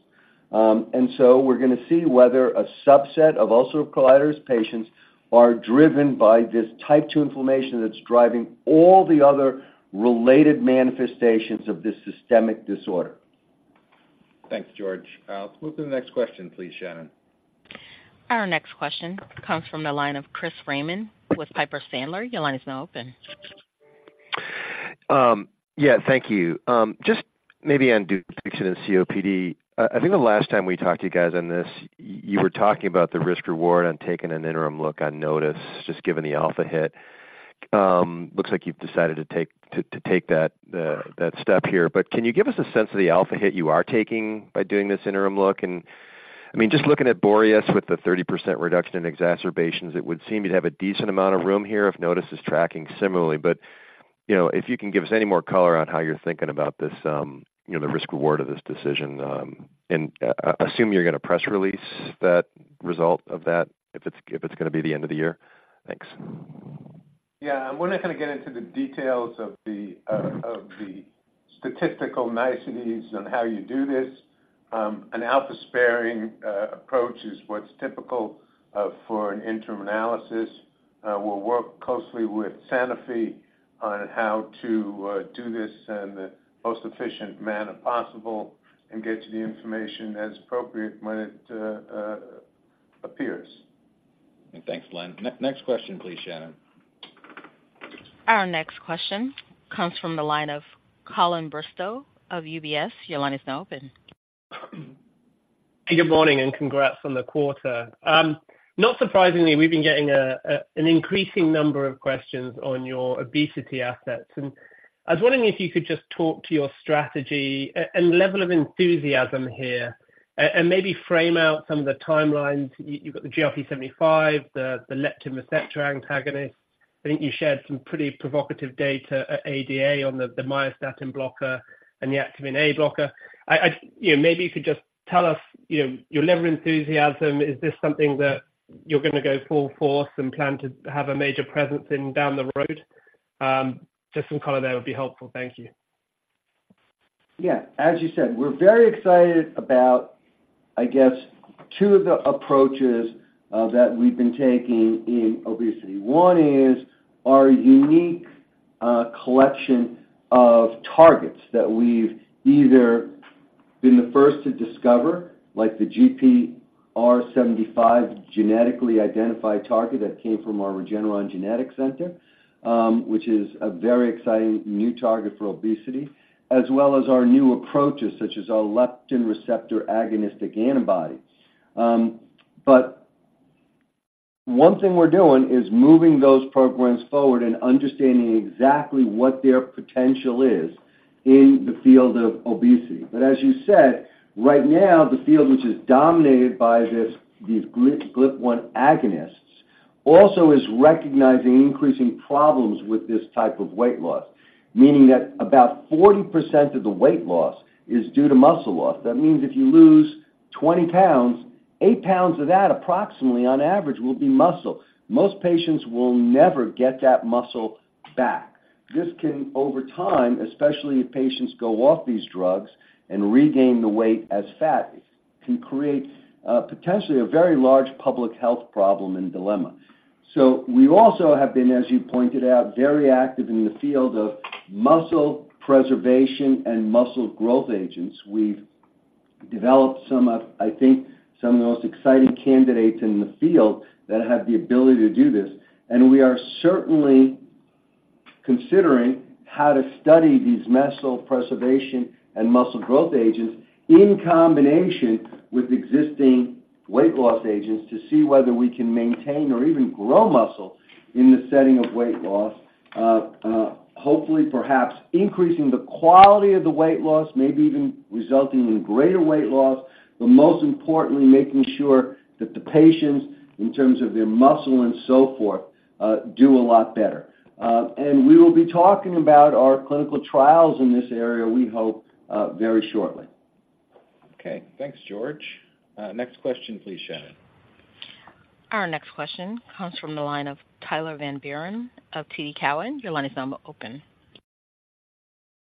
And so we're going to see whether a subset of ulcerative colitis patients are driven by this Type 2 inflammation that's driving all the other related manifestations of this systemic disorder. Thanks, George. Move to the next question, please, Shannon. Our next question comes from the line of Chris Raymond with Piper Sandler. Your line is now open. Yeah, thank you. Just maybe on Dupixent and COPD. I think the last time we talked to you guys on this, you were talking about the risk-reward on taking an interim look on NOTUS, just given the alpha hit. Looks like you've decided to take that step here. But can you give us a sense of the alpha hit you are taking by doing this interim look? And, I mean, just looking at BOREAS with the 30% reduction in exacerbations, it would seem you'd have a decent amount of room here if NOTUS is tracking similarly. But, you know, if you can give us any more color on how you're thinking about this, you know, the risk-reward of this decision, and assume you're going to press release that result of that, if it's going to be the end of the year? Thanks. Yeah, I'm not going to get into the details of the, of the statistical niceties on how you do this. An alpha-sparing approach is what's typical for an interim analysis. We'll work closely with Sanofi on how to do this in the most efficient manner possible and get you the information as appropriate when it appears. Thanks, Len. Next question, please, Shannon. Our next question comes from the line of Colin Bristow of UBS. Your line is now open. Good morning, and congrats on the quarter. Not surprisingly, we've been getting an increasing number of questions on your obesity assets, and I was wondering if you could just talk to your strategy and level of enthusiasm here, and maybe frame out some of the timelines. You've got the GRP75, the leptin receptor antagonist. I think you shared some pretty provocative data at ADA on the myostatin blocker and the activin A blocker. You know, maybe you could just tell us, you know, your level of enthusiasm. Is this something that you're going to go full force and plan to have a major presence in down the road? Just some color there would be helpful. Thank you. Yeah. As you said, we're very excited about, I guess, two of the approaches that we've been taking in obesity. One is our unique collection of targets that we've either been the first to discover, like the GPR75 genetically identified target that came from our Regeneron Genetic Center, which is a very exciting new target for obesity, as well as our new approaches, such as our leptin receptor agonistic antibody. But one thing we're doing is moving those programs forward and understanding exactly what their potential is in the field of obesity. But as you said, right now, the field, which is dominated by this, these GLP-1 agonists, also is recognizing increasing problems with this type of weight loss, meaning that about 40% of the weight loss is due to muscle loss. That means if you lose 20 pounds, 8 pounds of that, approximately on average, will be muscle. Most patients will never get that muscle back. This can, over time, especially if patients go off these drugs and regain the weight as fat, can create potentially a very large public health problem and dilemma. So we also have been, as you pointed out, very active in the field of muscle preservation and muscle growth agents. We've developed some of, I think, some of the most exciting candidates in the field that have the ability to do this. And we are certainly considering how to study these muscle preservation and muscle growth agents in combination with existing weight loss agents to see whether we can maintain or even grow muscle in the setting of weight loss. Hopefully, perhaps increasing the quality of the weight loss, maybe even resulting in greater weight loss, but most importantly, making sure that the patients, in terms of their muscle and so forth, do a lot better. We will be talking about our clinical trials in this area, we hope, very shortly. Okay, thanks, George. Next question, please, Shannon. Our next question comes from the line of Tyler Van Buren of TD Cowen. Your line is now open.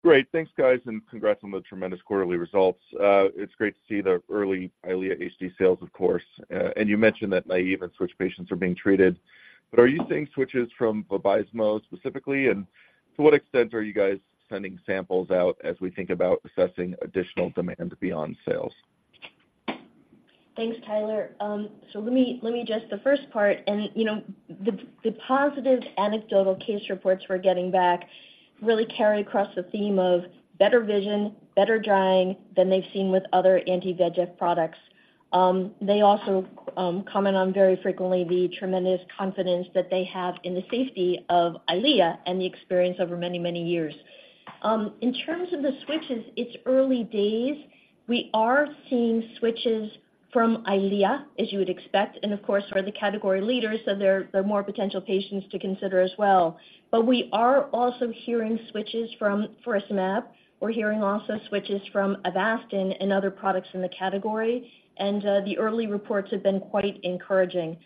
Great. Thanks, guys, and congrats on the tremendous quarterly results. It's great to see the early EYLEA HD sales, of course, and you mentioned that naive and switch patients are being treated. But are you seeing switches from Vabysmo specifically, and to what extent are you guys sending samples out as we think about assessing additional demand beyond sales? Thanks, Tyler. So let me address the first part. You know, the positive anecdotal case reports we're getting back really carry across the theme of better vision, better drying than they've seen with other anti-VEGF products. They also comment on very frequently the tremendous confidence that they have in the safety of EYLEA and the experience over many, many years. In terms of the switches, it's early days. We are seeing switches from EYLEA, as you would expect, and of course, we're the category leader, so there are more potential patients to consider as well. But we are also hearing switches from bevacizumab. We're hearing also switches from Avastin and other products in the category, and the early reports have been quite encouraging.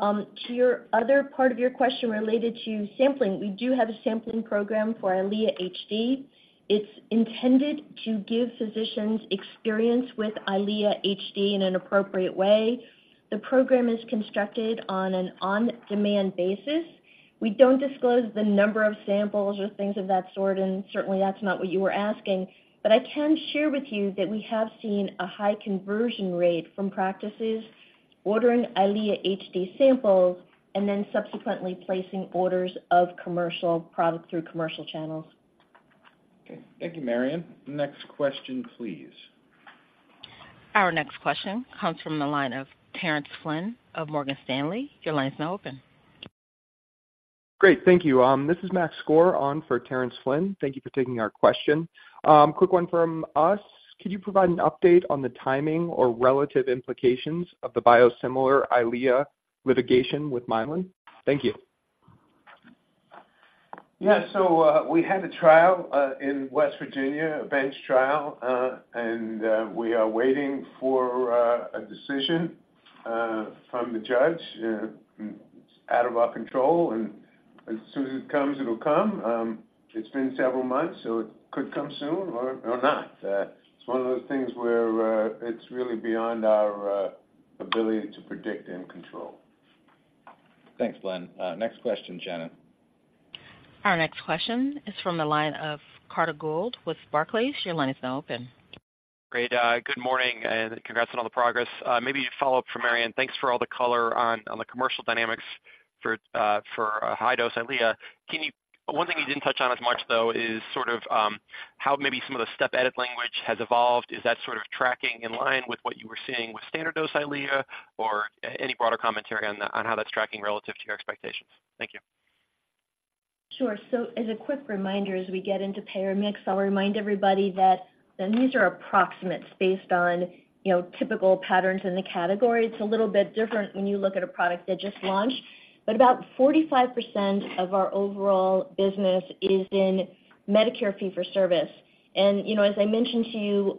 To your other part of your question related to sampling, we do have a sampling program for EYLEA HD. It's intended to give physicians experience with EYLEA HD in an appropriate way. The program is constructed on an on-demand basis. We don't disclose the number of samples or things of that sort, and certainly, that's not what you were asking. But I can share with you that we have seen a high conversion rate from practices ordering EYLEA HD samples and then subsequently placing orders of commercial product through commercial channels. Okay. Thank you, Marion. Next question, please. Our next question comes from the line of Terrence Flynn of Morgan Stanley. Your line is now open. Great, thank you. This is Max Skor on for Terrence Flynn. Thank you for taking our question. Quick one from us. Could you provide an update on the timing or relative implications of the biosimilar EYLEA litigation with Mylan? Thank you. Yeah, so we had a trial in West Virginia, a bench trial, and we are waiting for a decision from the judge. Out of our control, and as soon as it comes, it'll come. It's been several months, so it could come soon or not. It's one of those things where it's really beyond our ability to predict and control. Thanks, Len. Next question, Shannon. Our next question is from the line of Carter Gould with Barclays. Your line is now open. Great. Good morning, and congrats on all the progress. Maybe a follow-up for Marion. Thanks for all the color on the commercial dynamics for high-dose EYLEA. Can you. One thing you didn't touch on as much, though, is sort of how maybe some of the step-edit language has evolved. Is that sort of tracking in line with what you were seeing with standard-dose EYLEA, or any broader commentary on how that's tracking relative to your expectations? Thank you. Sure. So as a quick reminder, as we get into payer mix, I'll remind everybody that, and these are approximates based on, you know, typical patterns in the category. It's a little bit different when you look at a product that just launched. But about 45% of our overall business is in Medicare fee-for-service. And, you know, as I mentioned to you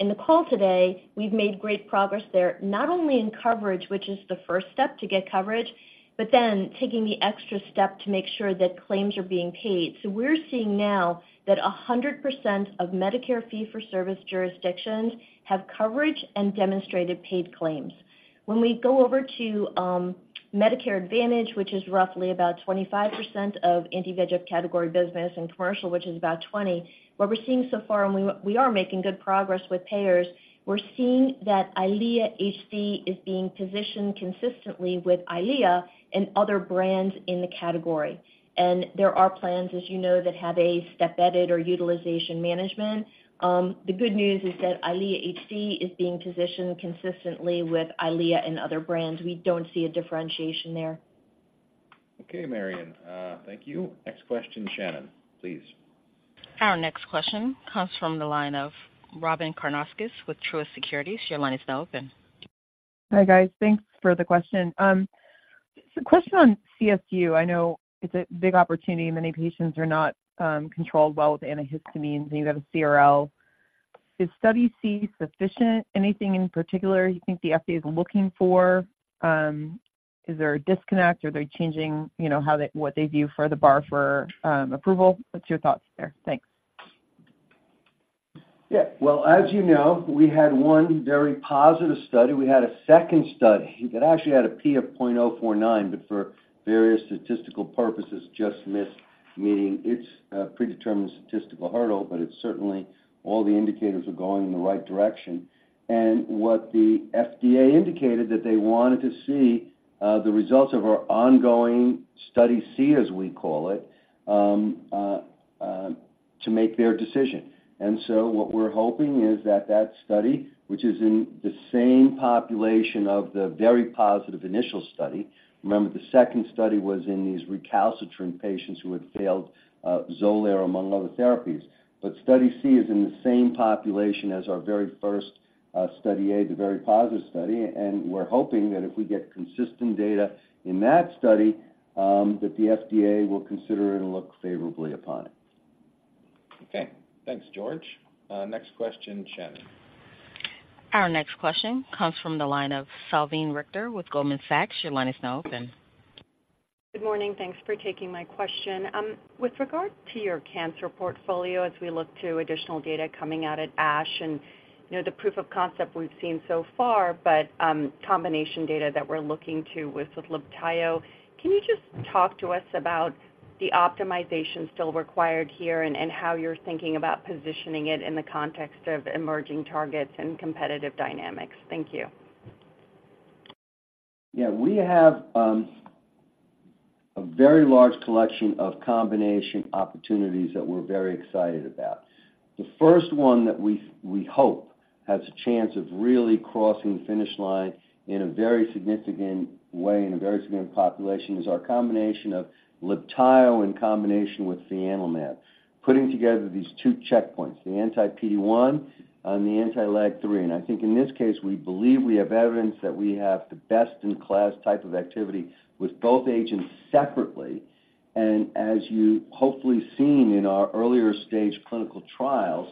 in the call today, we've made great progress there, not only in coverage, which is the first step to get coverage, but then taking the extra step to make sure that claims are being paid. So we're seeing now that 100% of Medicare fee-for-service jurisdictions have coverage and demonstrated paid claims. When we go over to Medicare Advantage, which is roughly about 25% of Anti-VEGF category business, and commercial, which is about 20, what we're seeing so far, and we are making good progress with payers, we're seeing that EYLEA HD is being positioned consistently with EYLEA and other brands in the category. And there are plans, as you know, that have a step edit or utilization management. The good news is that EYLEA HD is being positioned consistently with EYLEA and other brands. We don't see a differentiation there. Okay, Marion. Thank you. Next question, Shannon, please. Our next question comes from the line of Robyn Karnauskas with Truist Securities. Your line is now open. Hi, guys. Thanks for the question. So question on CSU. I know it's a big opportunity. Many patients are not controlled well with antihistamines, and you have a CRL. Is Study C sufficient? Anything in particular you think the FDA is looking for? Is there a disconnect? Are they changing, you know, how they—what they view for the bar for approval? What's your thoughts there? Thanks. Yeah. Well, as you know, we had one very positive study. We had a second study that actually had a P of 0.049, but for various statistical purposes, just missed meeting its predetermined statistical hurdle, but it's certainly all the indicators are going in the right direction. And what the FDA indicated that they wanted to see the results of our ongoing Study C, as we call it, to make their decision. And so what we're hoping is that study, which is in the same population of the very positive initial study. Remember, the second study was in these recalcitrant patients who had failed Xolair, among other therapies. But Study C is in the same population as our very first Study A, the very positive study, and we're hoping that if we get consistent data in that study, that the FDA will consider it and look favorably upon it. Okay. Thanks, George. Next question, Shannon. Our next question comes from the line of Salveen Richter with Goldman Sachs. Your line is now open. Good morning. Thanks for taking my question. With regard to your cancer portfolio, as we look to additional data coming out at ASH, and you know, the proof of concept we've seen so far, but, combination data that we're looking to with LIBTAYO, can you just talk to us about the optimization still required here and, and how you're thinking about positioning it in the context of emerging targets and competitive dynamics? Thank you. Yeah, we have a very large collection of combination opportunities that we're very excited... The first one that we hope has a chance of really crossing the finish line in a very significant way, in a very significant population, is our combination of LIBTAYO in combination with fianlimab. Putting together these two checkpoints, the anti-PD-1 and the anti-LAG-3. And I think in this case, we believe we have evidence that we have the best-in-class type of activity with both agents separately. And as you've hopefully seen in our earlier stage clinical trials,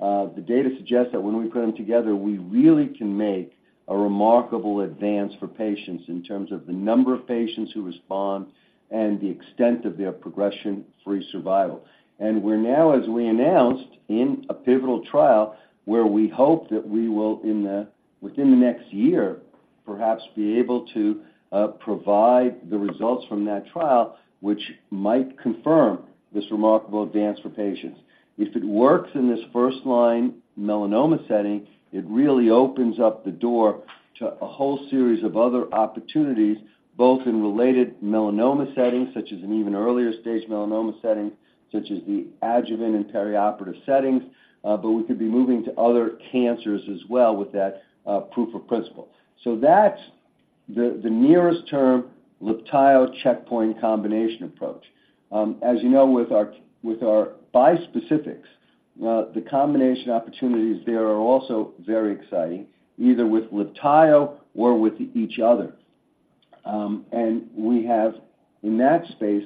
the data suggests that when we put them together, we really can make a remarkable advance for patients in terms of the number of patients who respond and the extent of their progression-free survival. We're now, as we announced, in a pivotal trial, where we hope that we will, within the next year, perhaps be able to provide the results from that trial, which might confirm this remarkable advance for patients. If it works in this first line melanoma setting, it really opens up the door to a whole series of other opportunities, both in related melanoma settings, such as an even earlier stage melanoma setting, such as the adjuvant and perioperative settings, but we could be moving to other cancers as well with that proof of principle. So that's the nearest term LIBTAYO checkpoint combination approach. As you know, with our bispecifics, the combination opportunities there are also very exciting, either with LIBTAYO or with each other. And we have, in that space,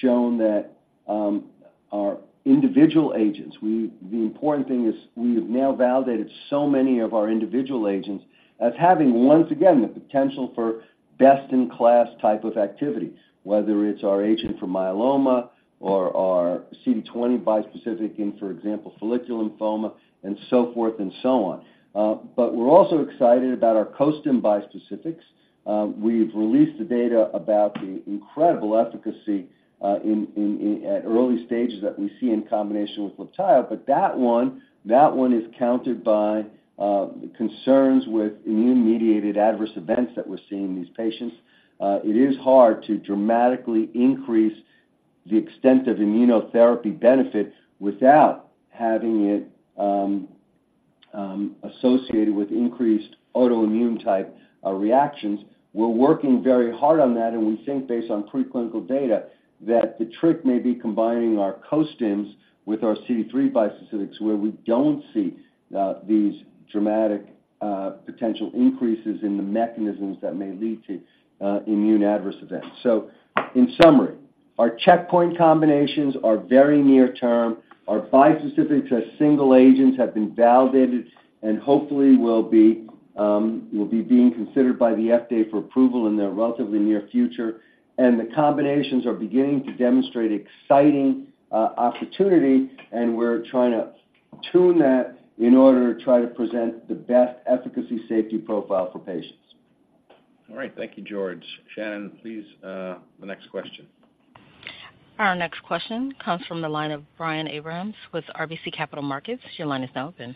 shown that, our individual agents, the important thing is we have now validated so many of our individual agents as having, once again, the potential for best-in-class type of activities. Whether it's our agent for myeloma or our CD20 bispecific in, for example, follicular lymphoma, and so forth and so on. But we're also excited about our costim bispecifics. We've released the data about the incredible efficacy in at early stages that we see in combination with LIBTAYO. But that one, that one is countered by the concerns with immune-mediated adverse events that we're seeing in these patients. It is hard to dramatically increase the extent of immunotherapy benefit without having it associated with increased autoimmune-type reactions. We're working very hard on that, and we think, based on preclinical data, that the trick may be combining our costims with our CD3 bispecifics, where we don't see these dramatic potential increases in the mechanisms that may lead to immune adverse events. So in summary, our checkpoint combinations are very near term. Our bispecifics as single agents have been validated and hopefully will be being considered by the FDA for approval in the relatively near future. And the combinations are beginning to demonstrate exciting opportunity, and we're trying to tune that in order to try to present the best efficacy safety profile for patients. All right. Thank you, George. Shannon, please, the next question. Our next question comes from the line of Brian Abrahams with RBC Capital Markets. Your line is now open.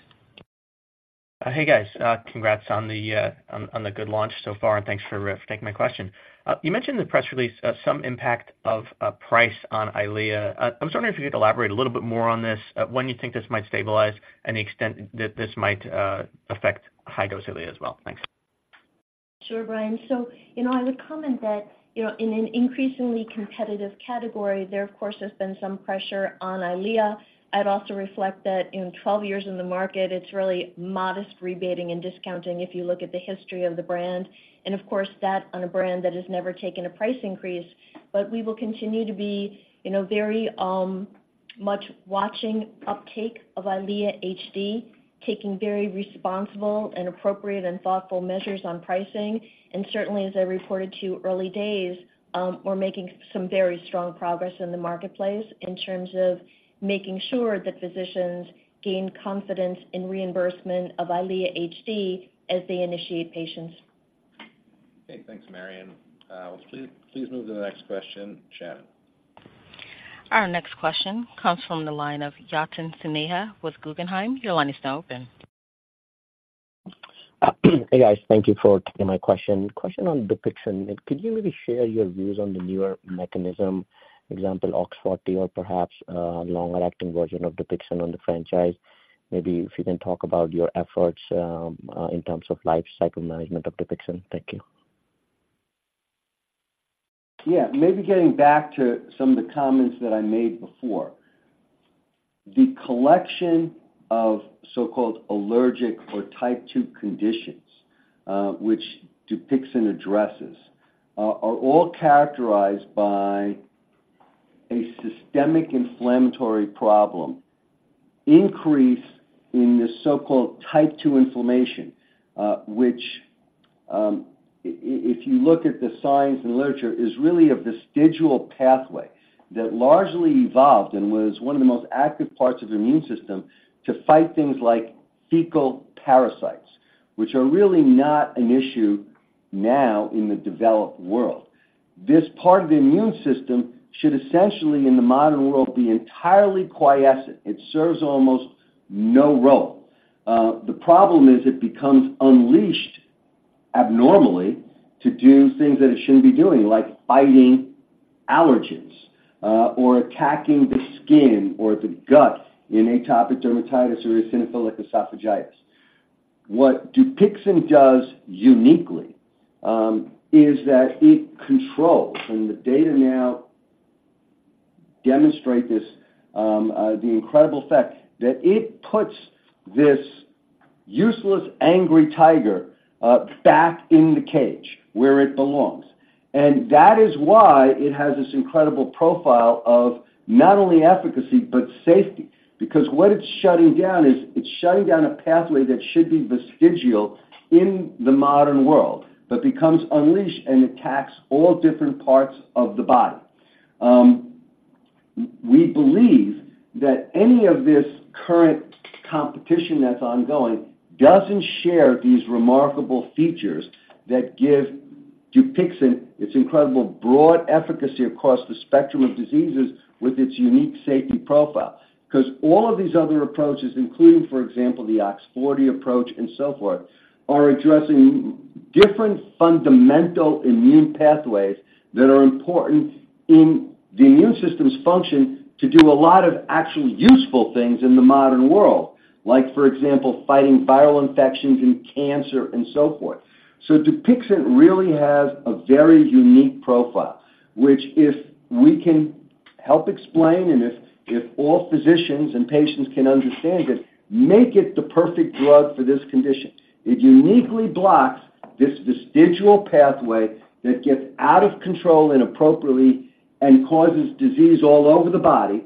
Hey, guys, congrats on the good launch so far, and thanks for taking my question. You mentioned in the press release, some impact of price on EYLEA. I was wondering if you could elaborate a little bit more on this, when you think this might stabilize, and the extent that this might affect high-dose EYLEA as well? Thanks. Sure, Brian. So, you know, I would comment that, you know, in an increasingly competitive category, there, of course, has been some pressure on EYLEA. I'd also reflect that in 12 years in the market, it's really modest rebating and discounting, if you look at the history of the brand, and of course, that on a brand that has never taken a price increase. But we will continue to be, you know, very much watching uptake of EYLEA HD, taking very responsible and appropriate and thoughtful measures on pricing. And certainly, as I reported to you, early days, we're making some very strong progress in the marketplace in terms of making sure that physicians gain confidence in reimbursement of EYLEA HD as they initiate patients. Okay, thanks, Marion. Please, please move to the next question, Shannon. Our next question comes from the line of Yatin Suneja with Guggenheim. Your line is now open. Hey, guys, thank you for taking my question. Question on DUPIXENT. Could you maybe share your views on the newer mechanism, example, OX40, or perhaps a longer-acting version of DUPIXENT on the franchise? Maybe if you can talk about your efforts, in terms of life cycle management of DUPIXENT. Thank you. Yeah, maybe getting back to some of the comments that I made before. The collection of so-called allergic or Type 2 conditions, which Dupixent addresses, are all characterized by a systemic inflammatory problem, increase in the so-called Type 2 inflammation, which, if you look at the science and literature, is really a vestigial pathway that largely evolved and was one of the most active parts of the immune system to fight things like fecal parasites, which are really not an issue now in the developed world. This part of the immune system should essentially, in the modern world, be entirely quiescent. It serves almost no role. The problem is it becomes unleashed abnormally to do things that it shouldn't be doing, like fighting allergens, or attacking the skin or the gut in atopic dermatitis or eosinophilic esophagitis. What Dupixent does uniquely, is that it controls, and the data now demonstrate this, the incredible effect, that it puts this useless, angry tiger, back in the cage where it belongs. That is why it has this incredible profile of not only efficacy, but safety. Because what it's shutting down is, it's shutting down a pathway that should be vestigial in the modern world, but becomes unleashed and attacks all different parts of the body. We believe that any of this current competition that's ongoing doesn't share these remarkable features that give Dupixent its incredible broad efficacy across the spectrum of diseases with its unique safety profile. Because all of these other approaches, including, for example, the OX40 approach and so forth, are addressing different fundamental immune pathways that are important in the immune system's function to do a lot of actually useful things in the modern world, like, for example, fighting viral infections and cancer, and so forth. So Dupixent really has a very unique profile, which if we can help explain, and if, if all physicians and patients can understand it, make it the perfect drug for this condition. It uniquely blocks this vestigial pathway that gets out of control inappropriately and causes disease all over the body.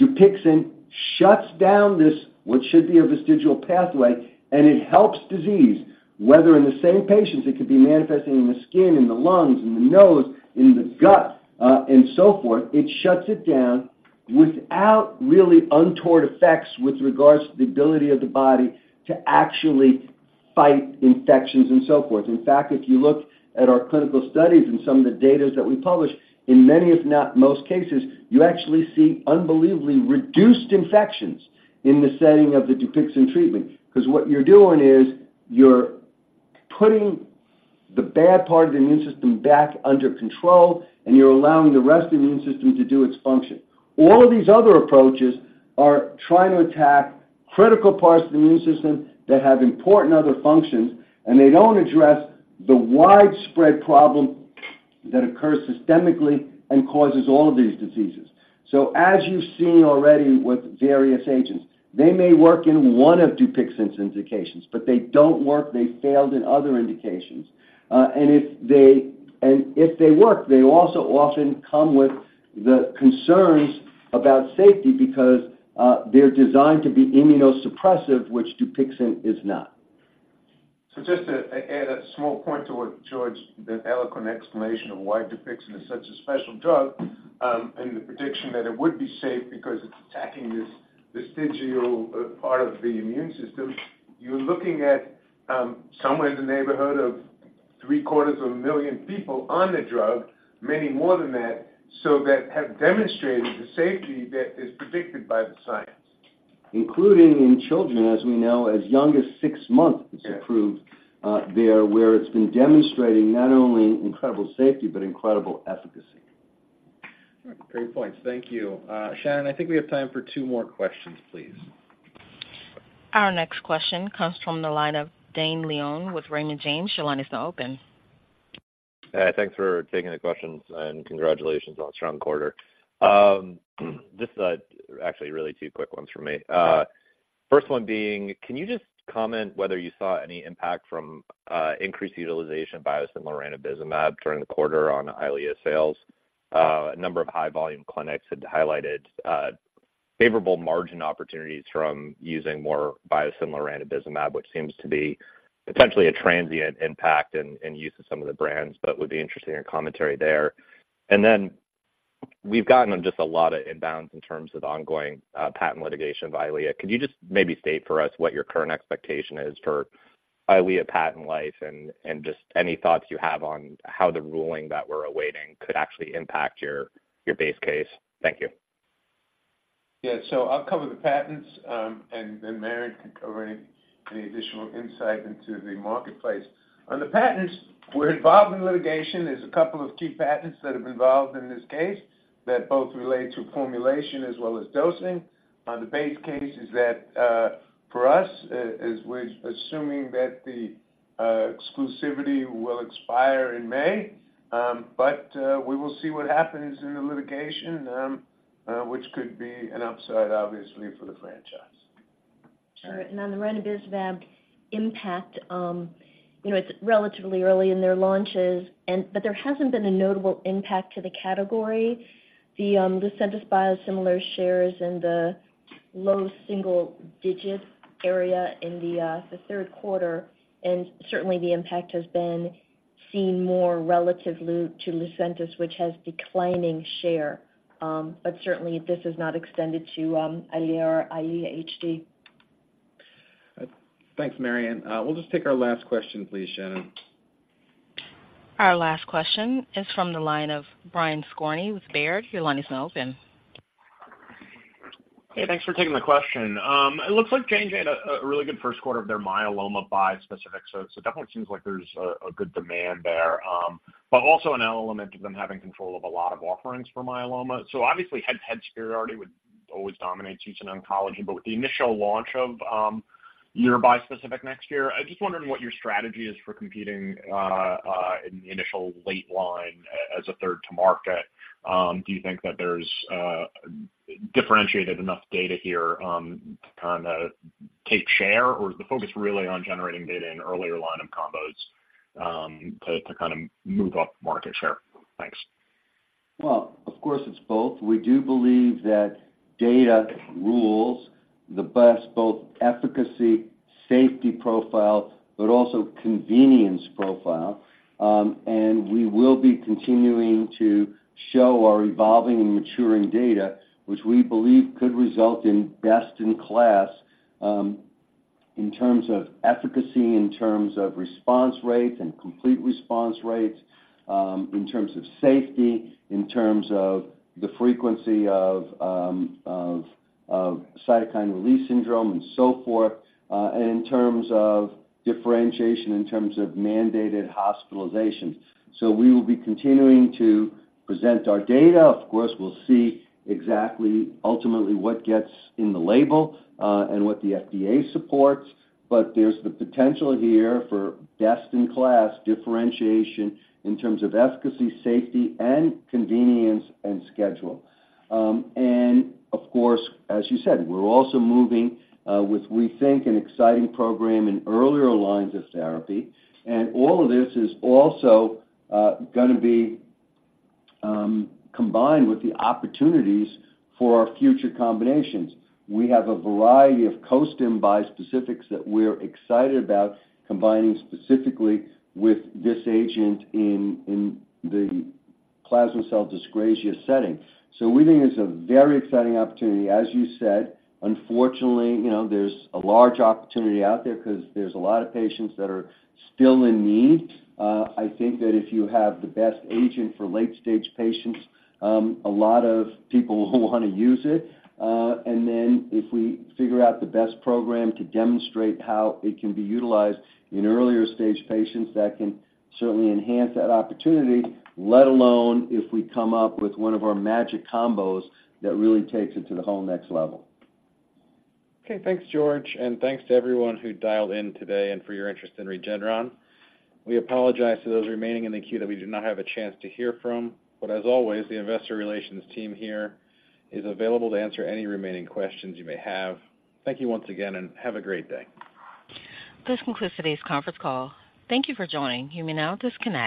Dupixent shuts down this, what should be a vestigial pathway, and it helps disease, whether in the same patients, it could be manifesting in the skin, in the lungs, in the nose, in the gut, and so forth. It shuts it down without really untoward effects with regards to the ability of the body to actually fight infections and so forth. In fact, if you look at our clinical studies and some of the data that we published, in many, if not most cases, you actually see unbelievably reduced infections in the setting of the DUPIXENT treatment. Because what you're doing is you're putting the bad part of the immune system back under control, and you're allowing the rest of the immune system to do its function. All of these other approaches are trying to attack critical parts of the immune system that have important other functions, and they don't address the widespread problem that occurs systemically and causes all of these diseases. So as you've seen already with various agents, they may work in one of DUPIXENT's indications, but they don't work, they failed in other indications. And if they work, they also often come with the concerns about safety because they're designed to be immunosuppressive, which Dupixent is not. So just to add a small point to what George, the eloquent explanation of why DUPIXENT is such a special drug, and the prediction that it would be safe because it's attacking this vestigial part of the immune system. You're looking at somewhere in the neighborhood of 750,000 people on the drug, many more than that, so that have demonstrated the safety that is predicted by the science. Including in children, as we know, as young as six months, it's approved, there, where it's been demonstrating not only incredible safety, but incredible efficacy. Great points. Thank you. Shannon, I think we have time for two more questions, please. Our next question comes from the line of Dane Leone with Raymond James. Your line is now open. Thanks for taking the questions, and congratulations on a strong quarter. Just, actually really two quick ones from me. First one being, can you just comment whether you saw any impact from, increased utilization of biosimilar ranibizumab during the quarter on EYLEA sales? A number of high-volume clinics had highlighted, favorable margin opportunities from using more biosimilar ranibizumab, which seems to be potentially a transient impact in use of some of the brands, but would be interested in your commentary there. And then we've gotten just a lot of inbounds in terms of ongoing, patent litigation of EYLEA. Could you just maybe state for us what your current expectation is for EYLEA patent life and just any thoughts you have on how the ruling that we're awaiting could actually impact your base case? Thank you. Yeah, so I'll cover the patents, and then Marion can cover any, any additional insight into the marketplace. On the patents, we're involved in litigation. There's a couple of key patents that have involved in this case that both relate to formulation as well as dosing. The base case is that, for us, is we're assuming that the, exclusivity will expire in May, but, we will see what happens in the litigation, which could be an upside, obviously, for the franchise. All right, and on the ranibizumab impact, you know, it's relatively early in their launches, and but there hasn't been a notable impact to the category. The Lucentis biosimilar share is in the low single-digit area in the third quarter, and certainly, the impact has been seen more relatively to Lucentis, which has declining share. But certainly, this is not extended to EYLEA or EYLEA HD. Thanks, Marion. We'll just take our last question, please, Shannon. Our last question is from the line of Brian Skorney with Baird. Your line is now open. Hey, thanks for taking the question. It looks like JJ had a really good first quarter of their myeloma bispecific, so it so definitely seems like there's a good demand there, but also an element of them having control of a lot of offerings for myeloma. So obviously, head-to-head superiority would always dominate U.S. oncology, but with the initial launch of your bispecific next year, I'm just wondering what your strategy is for competing in the initial late-line as a third to market. Do you think that there's differentiated enough data here to kinda take share? Or is the focus really on generating data in earlier line of combos to kind of move up market share? Thanks. Well, of course, it's both. We do believe that data rules the best, both efficacy, safety profile, but also convenience profile. And we will be continuing to show our evolving and maturing data, which we believe could result in best-in-class, in terms of efficacy, in terms of response rates and complete response rates, in terms of safety, in terms of the frequency of, of cytokine release syndrome and so forth, and in terms of differentiation, in terms of mandated hospitalization. So we will be continuing to present our data. Of course, we'll see exactly ultimately what gets in the label, and what the FDA supports, but there's the potential here for best-in-class differentiation in terms of efficacy, safety, and convenience, and schedule. And of course, as you said, we're also moving with, we think, an exciting program in earlier lines of therapy. And all of this is also gonna be combined with the opportunities for our future combinations. We have a variety of costim bispecifics that we're excited about, combining specifically with this agent in the plasma cell dyscrasia setting. So we think it's a very exciting opportunity. As you said, unfortunately, you know, there's a large opportunity out there 'cause there's a lot of patients that are still in need. I think that if you have the best agent for late-stage patients, a lot of people will want to use it. And then if we figure out the best program to demonstrate how it can be utilized in earlier stage patients, that can certainly enhance that opportunity, let alone if we come up with one of our magic combos that really takes it to the whole next level. Okay, thanks, George, and thanks to everyone who dialed in today and for your interest in Regeneron. We apologize to those remaining in the queue that we did not have a chance to hear from, but as always, the investor relations team here is available to answer any remaining questions you may have. Thank you once again, and have a great day. This concludes today's conference call. Thank you for joining. You may now disconnect.